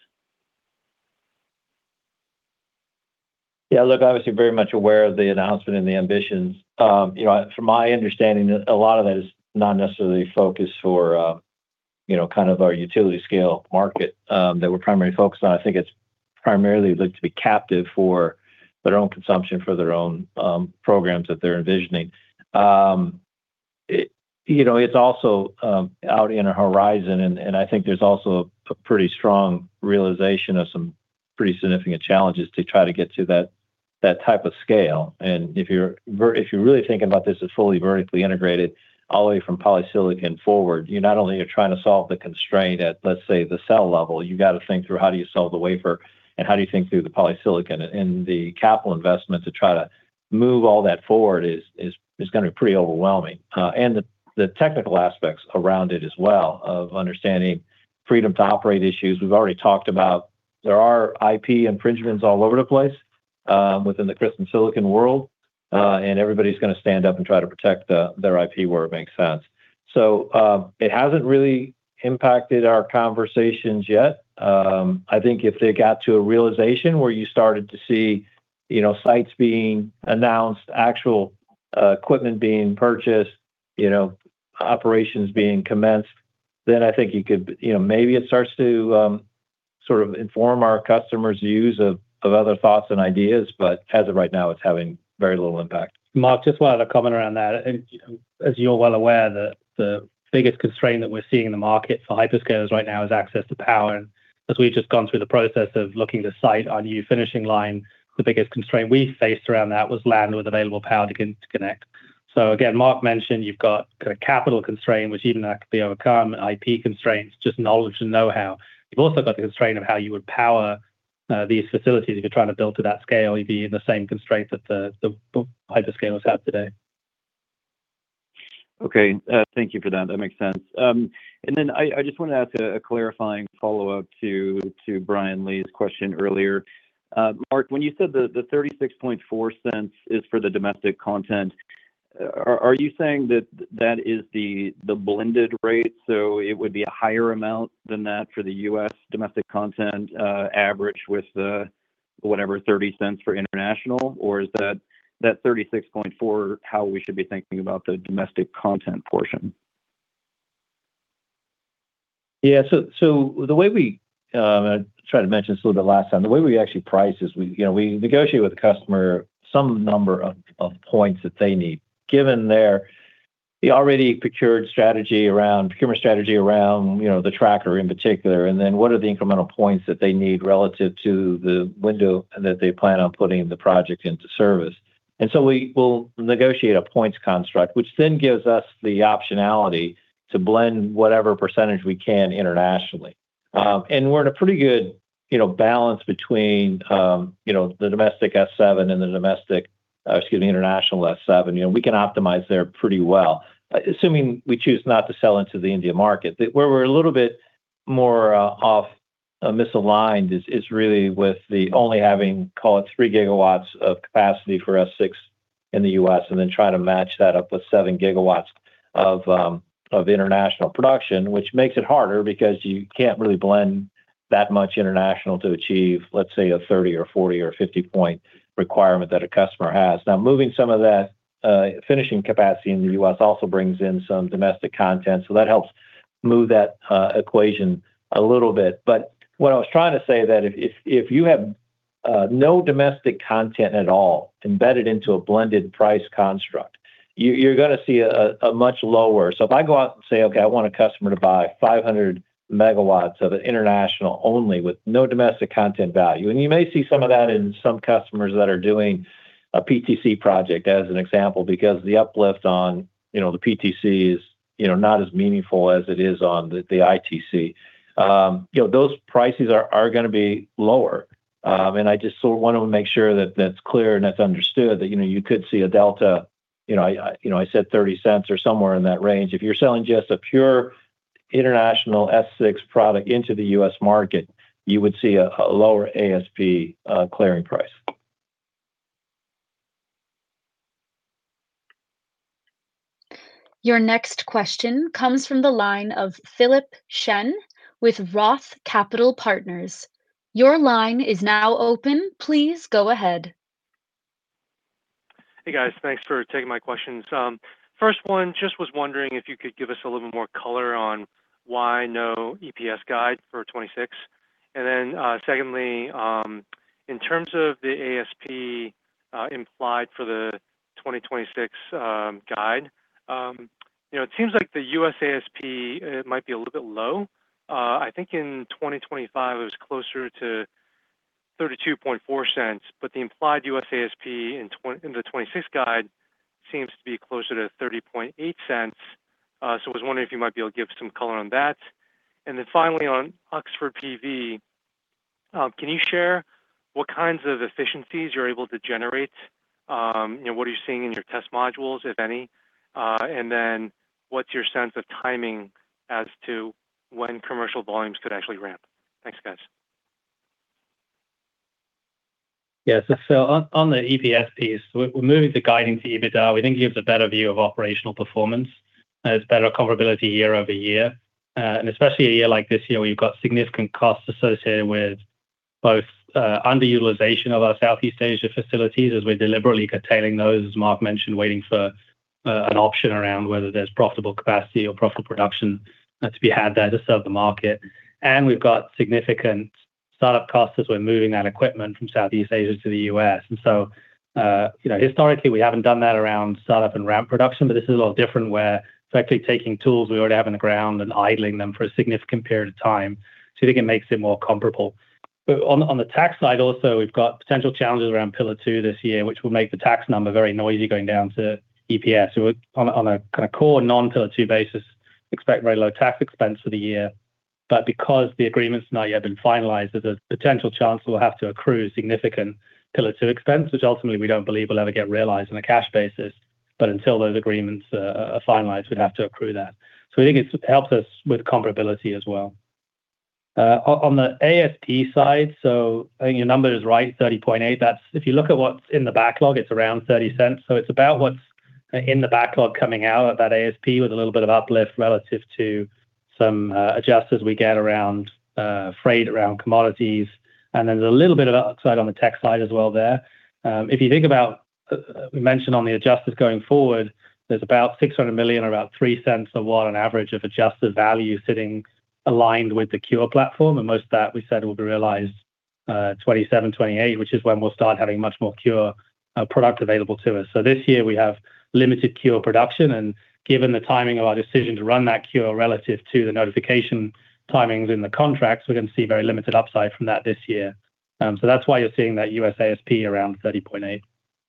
Look, obviously very much aware of the announcement and the ambitions. You know, from my understanding, a lot of that is not necessarily focused for, you know, kind of our utility scale market that we're primarily focused on. I think it's primarily looked to be captive for their own consumption, for their own programs that they're envisioning. You know, it's also out in our horizon, and I think there's also a pretty strong realization of some pretty significant challenges to try to get to that type of scale. If you're really thinking about this as fully vertically integrated all the way from polysilicon forward, you're not only you're trying to solve the constraint at, let's say, the cell level, you've got to think through how do you sell the wafer and how do you think through the polysilicon. The capital investment to try to move all that forward is going to be pretty overwhelming. The technical aspects around it as well, of understanding freedom to operate issues. We've already talked about there are IP infringements all over the place, within the crystalline silicon world, and everybody's going to stand up and try to protect their IP where it makes sense. It hasn't really impacted our conversations yet. I think if they got to a realization where you started to see, you know, sites being announced, actual equipment being purchased, you know, operations being commenced, then I think you know, maybe it starts to sort of inform our customers' views of other thoughts and ideas, but as of right now, it's having very little impact. Mark, just wanted to comment around that. As you're well aware, the biggest constraint that we're seeing in the market for hyperscalers right now is access to power. As we've just gone through the process of looking to site our new finishing line, the biggest constraint we faced around that was land with available power to connect. Again, Mark mentioned you've got a capital constraint, which even that could be overcome, IP constraints, just knowledge and know-how. You've also got the constraint of how you would power these facilities. If you're trying to build to that scale, you'd be in the same constraints that the hyperscalers have today. Okay, thank you for that. That makes sense. Then I just wanted to ask a clarifying follow-up to Brian Lee's question earlier. Mark, when you said the $0.364 is for the domestic content, are you saying that that is the blended rate, so it would be a higher amount than that for the U.S. domestic content, average with the whatever, $0.30 for international, or is that $0.364 how we should be thinking about the domestic content portion? The way we, I tried to mention this a little bit last time, the way we actually price is we, you know, we negotiate with the customer some number of points that they need. Given their procurement strategy around, you know, the tracker in particular, and then what are the incremental points that they need relative to the window that they plan on putting the project into service? We will negotiate a points construct, which then gives us the optionality to blend whatever percentage we can internationally. And we're in a pretty good, you know, balance between, you know, the domestic S7 and the domestic, excuse me, international S7. You know, we can optimize there pretty well, assuming we choose not to sell into the India market. Where we're a little bit more off, misaligned is really with the only having, call it 3 GW of capacity for Series 6 in the U.S., and then trying to match that up with 7 GW of international production, which makes it harder because you can't really blend that much international to achieve, let's say, a 30 or 40 or 50-point requirement that a customer has. Moving some of that finishing capacity in the U.S. also brings in some domestic content, so that helps move that equation a little bit. What I was trying to say that if you have no domestic content at all embedded into a blended price construct. You're gonna see a much lower. If I go out and say, "Okay, I want a customer to buy 500 MW of an international only with no domestic content value," and you may see some of that in some customers that are doing a PTC project, as an example, because the uplift on, you know, the PTC is, you know, not as meaningful as it is on the ITC. You know, those prices are gonna be lower. I just sort of want to make sure that that's clear and that's understood, that, you know, you could see a delta, you know, I, you know, I said $0.30 or somewhere in that range. If you're selling just a pure international S6 product into the U.S. market, you would see a lower ASP clearing price. Your next question comes from the line of Philip Shen with Roth Capital Partners. Your line is now open. Please go ahead. Hey, guys. Thanks for taking my questions. First one, just was wondering if you could give us a little more color on why no EPS guide for 2026? Secondly, in terms of the ASP implied for the 2026 guide, you know, it seems like the U.S. ASP, it might be a little bit low. I think in 2025, it was closer to $0.324, but the implied U.S. ASP in the 2026 guide seems to be closer to $0.308. I was wondering if you might be able to give some color on that. Finally, on Oxford PV, can you share what kinds of efficiencies you're able to generate? What are you seeing in your test modules, if any? What's your sense of timing as to when commercial volumes could actually ramp? Thanks, guys. On the EPS piece, we're moving the guidance to EBITDA. We think it gives a better view of operational performance, it's better comparability year-over-year. Especially a year like this year, where you've got significant costs associated with both underutilization of our Southeast Asia facilities, as we're deliberately curtailing those, as Mark mentioned, waiting for an option around whether there's profitable capacity or profitable production to be had there to serve the market. We've got significant startup costs as we're moving that equipment from Southeast Asia to the U.S. You know, historically, we haven't done that around startup and ramp production, but this is a lot different, where it's actually taking tools we already have in the ground and idling them for a significant period of time. I think it makes it more comparable. On the tax side also, we've got potential challenges around Pillar Two this year, which will make the tax number very noisy going down to EPS. On a kind of core non-Pillar Two basis, expect very low tax expense for the year. Because the agreement's not yet been finalized, there's a potential chance we'll have to accrue significant Pillar Two expense, which ultimately we don't believe will ever get realized on a cash basis. Until those agreements are finalized, we'd have to accrue that. We think it helps us with comparability as well. On the ASP side, I think your number is right, $0.308. That's if you look at what's in the backlog, it's around $0.30. It's about what's in the backlog coming out at that ASP with a little bit of uplift relative to some adjusters we get around freight, around commodities, and then there's a little bit of upside on the tech side as well there. If you think about, we mentioned on the adjusters going forward, there's about $600 million or about $0.03 a watt on average of adjusted value sitting aligned with the QA platform, and most of that, we said, will be realized 2027, 2028, which is when we'll start having much more QA product available to us. This year we have limited QO production, and given the timing of our decision to run that QO relative to the notification timings in the contracts, we're going to see very limited upside from that this year. That's why you're seeing that U.S. ASP around $30.8.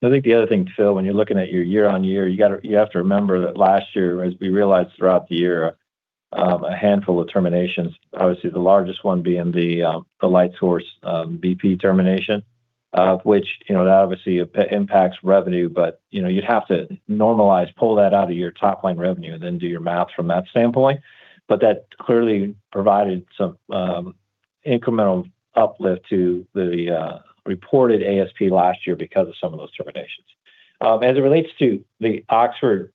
I think the other thing, Phil, when you're looking at your year-on-year, you have to remember that last year, as we realized throughout the year, a handful of terminations, obviously, the largest one being the Lightsource bp termination, which, you know, that obviously impacts revenue, but, you know, you'd have to normalize, pull that out of your top-line revenue, and then do your math from that standpoint. But that clearly provided some incremental uplift to the reported ASP last year because of some of those terminations. As it relates to the Oxford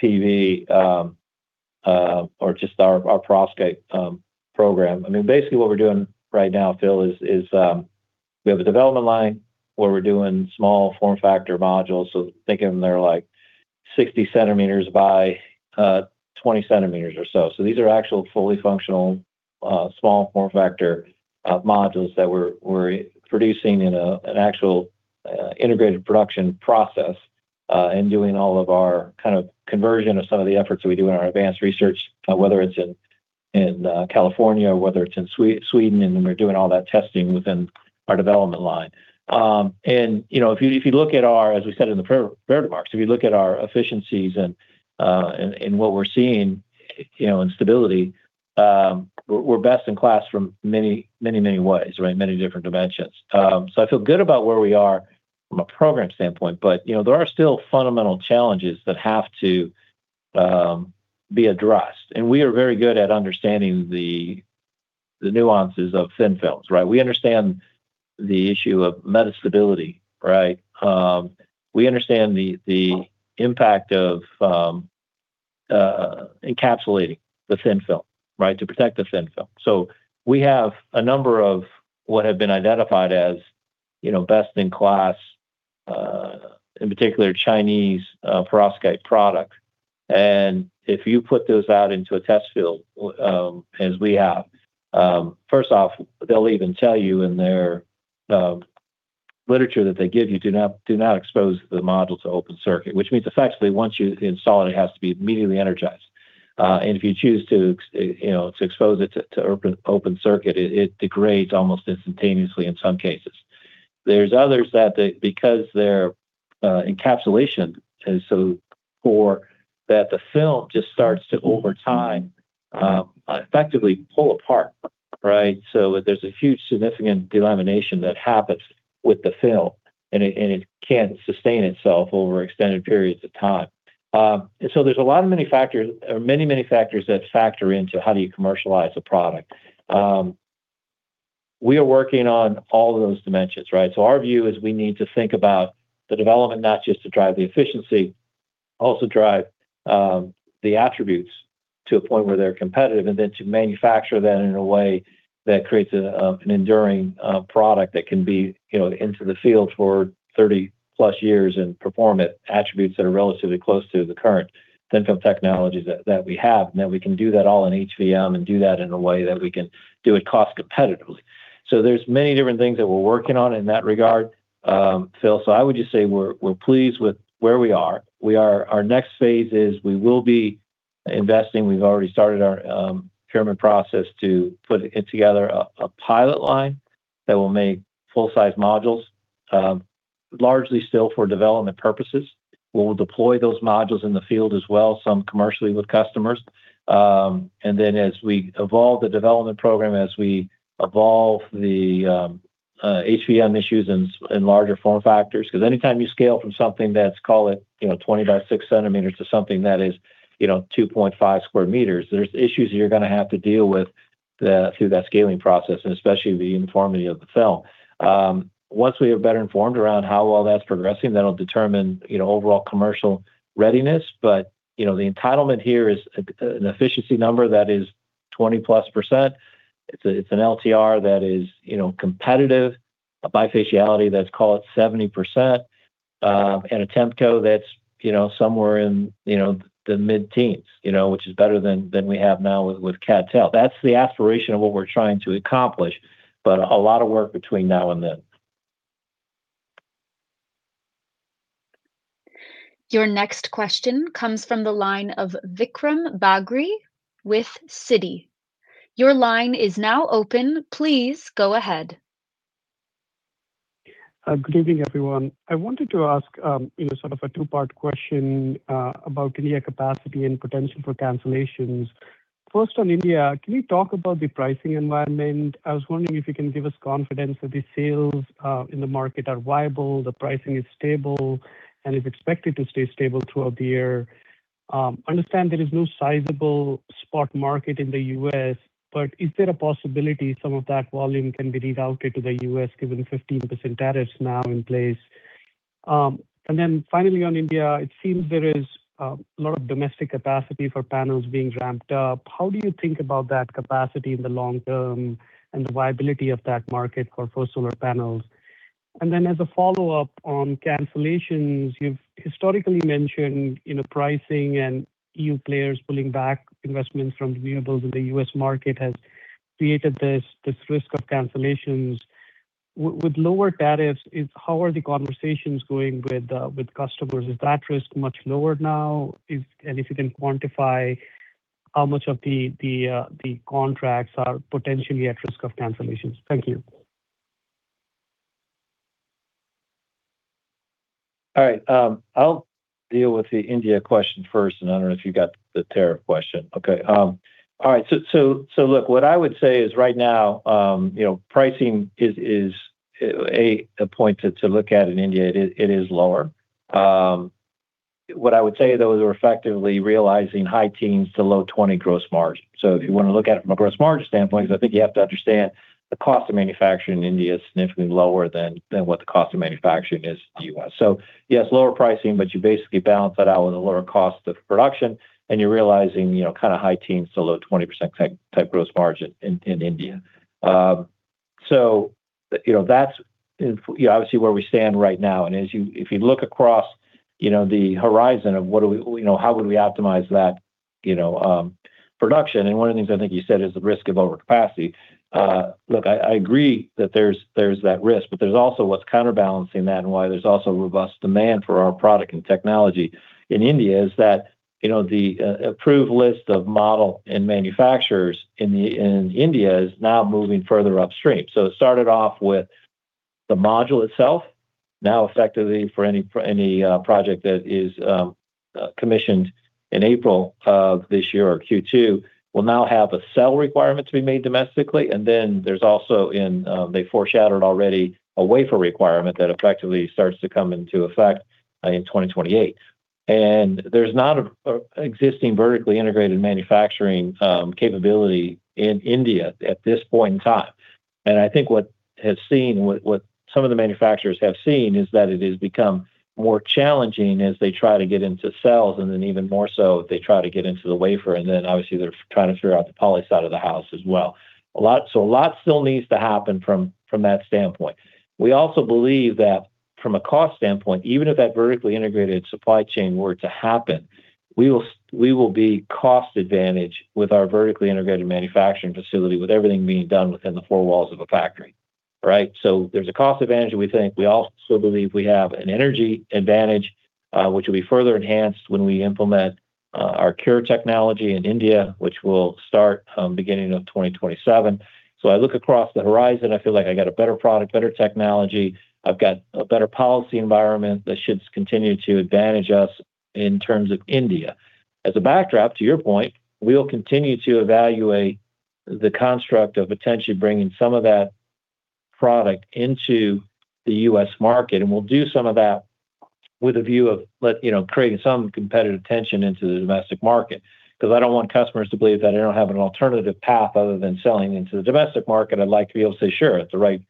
PV, or just our perovskite program, basically what we're doing right now, Phil, we have a development line where we're doing small form factor modules, so think of them they're like 60 centimeters by 20 centimeters or so. These are actual, fully functional, small form factor modules that we're producing in an actual integrated production process, and doing all of our kind of conversion of some of the efforts we do in our advanced research, whether it's in California or whether it's in Sweden, and then we're doing all that testing within our development line. You know, if you, if you look at our, as we said in the prepared remarks, if you look at our efficiencies and what we're seeing, you know, in stability, we're best in class from many, many, many ways, right? Many different dimensions. I feel good about where we are from a program standpoint, but, you know, there are still fundamental challenges that have to be addressed. We are very good at understanding the nuances of thin films, right? We understand the issue of metastability, right? We understand the impact of encapsulating the thin film, right? To protect the thin film. We have a number of what have been identified as, you know, best in class in particular, Chinese perovskite product. If you put those out into a test field, as we have, first off, they'll even tell you in their literature that they give you, "Do not expose the module to open circuit," which means effectively, once you install it has to be immediately energized. If you choose to, you know, to expose it to open circuit, it degrades almost instantaneously in some cases. There's others that because their encapsulation is so poor, that the film just starts to, over time, effectively pull apart, right? There's a huge significant delamination that happens with the film, and it can't sustain itself over extended periods of time. There's a lot of many factors or many factors that factor into how do you commercialize a product? We are working on all of those dimensions, right? Our view is we need to think about the development, not just to drive the efficiency, also drive the attributes to a point where they're competitive, and then to manufacture that in a way that creates an enduring product that can be, you know, into the field for 30+ years and perform at attributes that are relatively close to the current thin-film technologies that we have. That we can do that all in HVM and do that in a way that we can do it cost-competitively. There's many different things that we're working on in that regard, Phil. I would just say we're pleased with where we are. Our next phase is we will be investing. We've already started our procurement process to put together a pilot line that will make full-size modules, largely still for development purposes. We will deploy those modules in the field as well, some commercially with customers. As we evolve the development program, as we evolve the HVM issues in larger form factors... Anytime you scale from something that's, call it, you know, 20 by 6 centimeters to something that is, you know, 2.5 square meters, there's issues you're gonna have to deal with through that scaling process, and especially the uniformity of the cell. Once we are better informed around how all that's progressing, that'll determine, you know, overall commercial readiness. The entitlement here is an efficiency number that is 20+%. It's a, it's an LTR that is, you know, competitive, a bifaciality that's, call it, 70%, and a tempco that's, you know, somewhere in, you know, the mid-teens. You know, which is better than we have now with CdTe. That's the aspiration of what we're trying to accomplish, but a lot of work between now and then. Your next question comes from the line of Vikram Bagri with Citi. Your line is now open. Please go ahead. Good evening, everyone. I wanted to ask, you know, sort of a two-part question about India capacity and potential for cancellations. First, on India, can you talk about the pricing environment? I was wondering if you can give us confidence that the sales in the market are viable, the pricing is stable, and is expected to stay stable throughout the year. I understand there is no sizable spot market in the U.S., but is there a possibility some of that volume can be rerouted to the U.S., given the 15% tariff now in place? Finally, on India, it seems there is a lot of domestic capacity for panels being ramped up. How do you think about that capacity in the long term and the viability of that market for solar panels? As a follow-up on cancellations, you've historically mentioned, you know, pricing and new players pulling back investments from renewables, and the U.S. market has created this risk of cancellations. With lower tariffs, how are the conversations going with customers? Is that risk much lower now? And if you can quantify how much of the contracts are potentially at risk of cancellations. Thank you. All right, I'll deal with the India question first, and I don't know if you got the tariff question. Okay, all right. Look, what I would say is right now, you know, pricing is a point to look at in India. It is, it is lower. What I would say, though, is we're effectively realizing high teens to low 20% gross margin. If you wanna look at it from a gross margin standpoint, because I think you have to understand the cost of manufacturing in India is significantly lower than what the cost of manufacturing is in the U.S. Yes, lower pricing, but you basically balance that out with a lower cost of production, and you're realizing, you know, kinda high teens to low 20% type gross margin in India. So, you know, that's obviously where we stand right now. As you if you look across, you know, the horizon of what do we, you know, how would we optimize that, you know, production, and one of the things I think you said is the risk of overcapacity. Look, I agree that there's that risk, but there's also what's counterbalancing that and why there's also robust demand for our product and technology in India, is that, you know, the approved list of model and manufacturers in India is now moving further upstream. It started off with the module itself. Now, effectively, for any, for any project that is commissioned in April of this year or Q2, will now have a cell requirement to be made domestically, and then there's also in. They foreshadowed already a wafer requirement that effectively starts to come into effect, in 2028. There's not a existing vertically integrated manufacturing capability in India at this point in time. I think what some of the manufacturers have seen is that it has become more challenging as they try to get into cells, and then even more so, they try to get into the wafer, and then obviously, they're trying to figure out the poly side of the house as well. A lot still needs to happen from that standpoint. We also believe From a cost standpoint, even if that vertically integrated supply chain were to happen, we will be cost advantage with our vertically integrated manufacturing facility, with everything being done within the four walls of a factory, right? There's a cost advantage, we think. We also believe we have an energy advantage, which will be further enhanced when we implement our CuRe technology in India, which will start beginning of 2027. I look across the horizon, I feel like I got a better product, better technology. I've got a better policy environment that should continue to advantage us in terms of India. As a backdrop, to your point, we will continue to evaluate the construct of potentially bringing some of that product into the U.S. market, and we'll do some of that with a view of you know, creating some competitive tension into the domestic market. 'Cause I don't want customers to believe that I don't have an alternative path other than selling into the domestic market. I'd like to be able to say, sure, at the right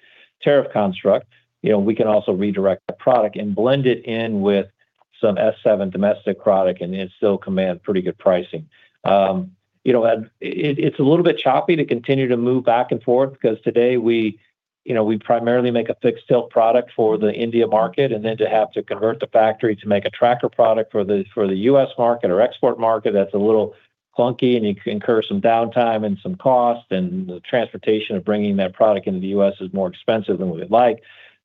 tariff construct, you know, we can also redirect the product and blend it in with some S7 domestic product, and it still command pretty good pricing. You know, it's a little bit choppy to continue to move back and forth, 'cause today we, you know, we primarily make a fixed tilt product for the India market, and then to have to convert the factory to make a tracker product for the, for the U.S. market or export market, that's a little clunky, and you can incur some downtime and some cost, and the transportation of bringing that product into the U.S. is more expensive than we'd like.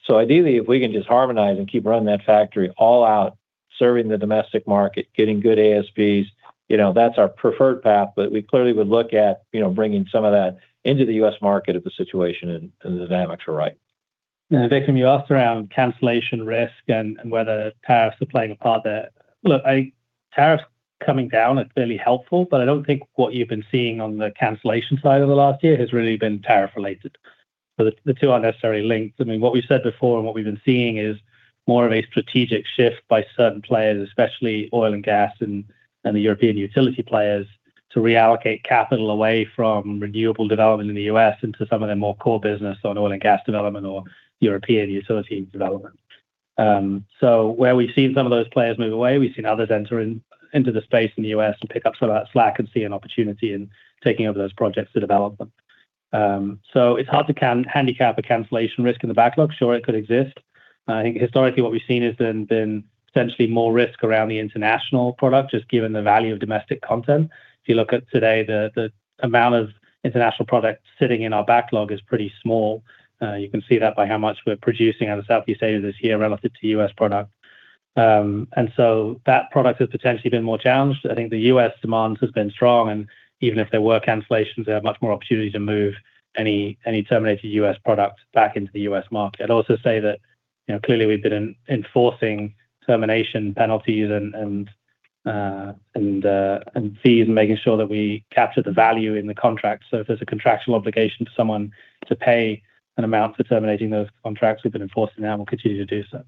Ideally, if we can just harmonize and keep running that factory all out, serving the domestic market, getting good ASPs, you know, that's our preferred path, but we clearly would look at, you know, bringing some of that into the U.S. market if the situation and the dynamics are right. Vikram, you asked around cancellation risk and whether tariffs are playing a part there. Look, tariffs coming down, it's fairly helpful, but I don't think what you've been seeing on the cancellation side in the last year has really been tariff related. The two aren't necessarily linked. I mean, what we've said before and what we've been seeing is more of a strategic shift by certain players, especially oil and gas and the European utility players, to reallocate capital away from renewable development in the U.S. into some of their more core business on oil and gas development or European utility development. Where we've seen some of those players move away, we've seen others entering into the space in the U.S. and pick up some of that slack and see an opportunity in taking over those projects to develop them. It's hard to handicap a cancellation risk in the backlog. Sure, it could exist. I think historically what we've seen is then potentially more risk around the international product, just given the value of domestic content. If you look at today, the amount of international product sitting in our backlog is pretty small. You can see that by how much we're producing out of Southeast Asia this year relative to U.S. product. That product has potentially been more challenged. I think the U.S. demand has been strong, even if there were cancellations, they have much more opportunity to move any terminated U.S. products back into the U.S. market. I'd also say that, you know, clearly we've been enforcing termination penalties and fees and making sure that we capture the value in the contract. If there's a contractual obligation for someone to pay an amount for terminating those contracts, we've been enforcing that and we'll continue to do so.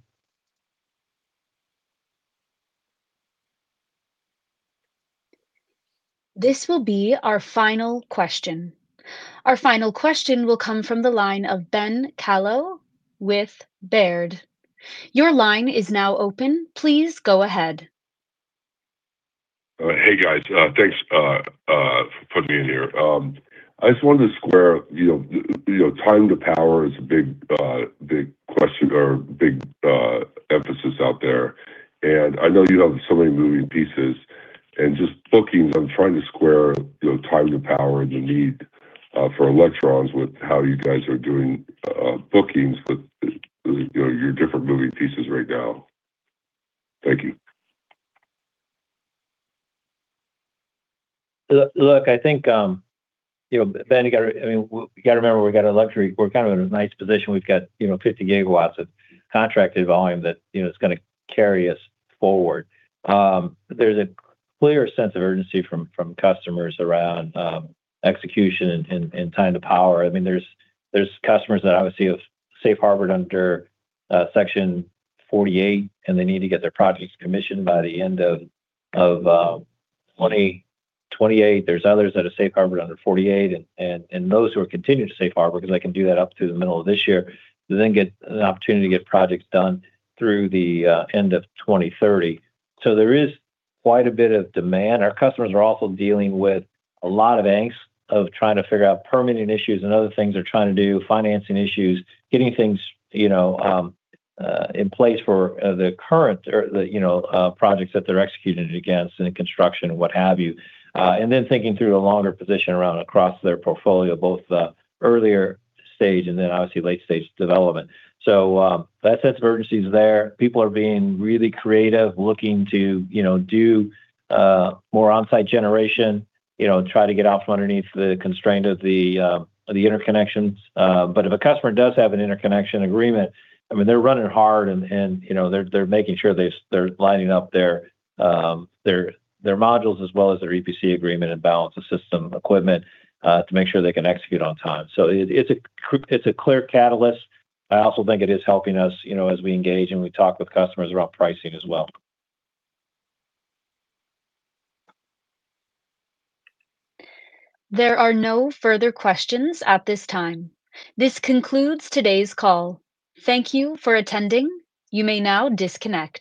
This will be our final question. Our final question will come from the line of Ben Kallo with Baird. Your line is now open. Please go ahead. Hey, guys. Thanks for putting me in here. I just wanted to square, you know, you know, time to power is a big question or big emphasis out there. I know you have so many moving pieces and just bookings. I'm trying to square, you know, time to power and the need for electrons with how you guys are doing bookings with, you know, your different moving pieces right now. Thank you. Look, I think, you know, Ben, you gotta, I mean, you gotta remember, we've got a luxury. We're kind of in a nice position. We've got, you know, 50 GW of contracted volume that, you know, is gonna carry us forward. There's a clear sense of urgency from customers around execution and time to power. I mean, there's customers that obviously have safe harbored under Section 48, and they need to get their projects commissioned by the end of 2028. There's others that are safe harbored under 48, and those who are continuing to safe harbor, because they can do that up to the middle of this year, to then get an opportunity to get projects done through the end of 2030. There is quite a bit of demand. Our customers are also dealing with a lot of angst of trying to figure out permitting issues and other things they're trying to do, financing issues, getting things, you know, in place for the current or the, you know, projects that they're executing against and the construction, what have you. Thinking through a longer position around across their portfolio, both the earlier stage and then obviously late stage development. That sense of urgency is there. People are being really creative, looking to, you know, do more on-site generation, you know, and try to get out from underneath the constraint of the interconnections. If a customer does have an interconnection agreement, I mean, they're running hard and, you know, they're making sure they're lining up their modules as well as their EPC agreement and balance of system equipment to make sure they can execute on time. It's a clear catalyst. I also think it is helping us, you know, as we engage and we talk with customers about pricing as well. There are no further questions at this time. This concludes today's call. Thank you for attending. You may now disconnect.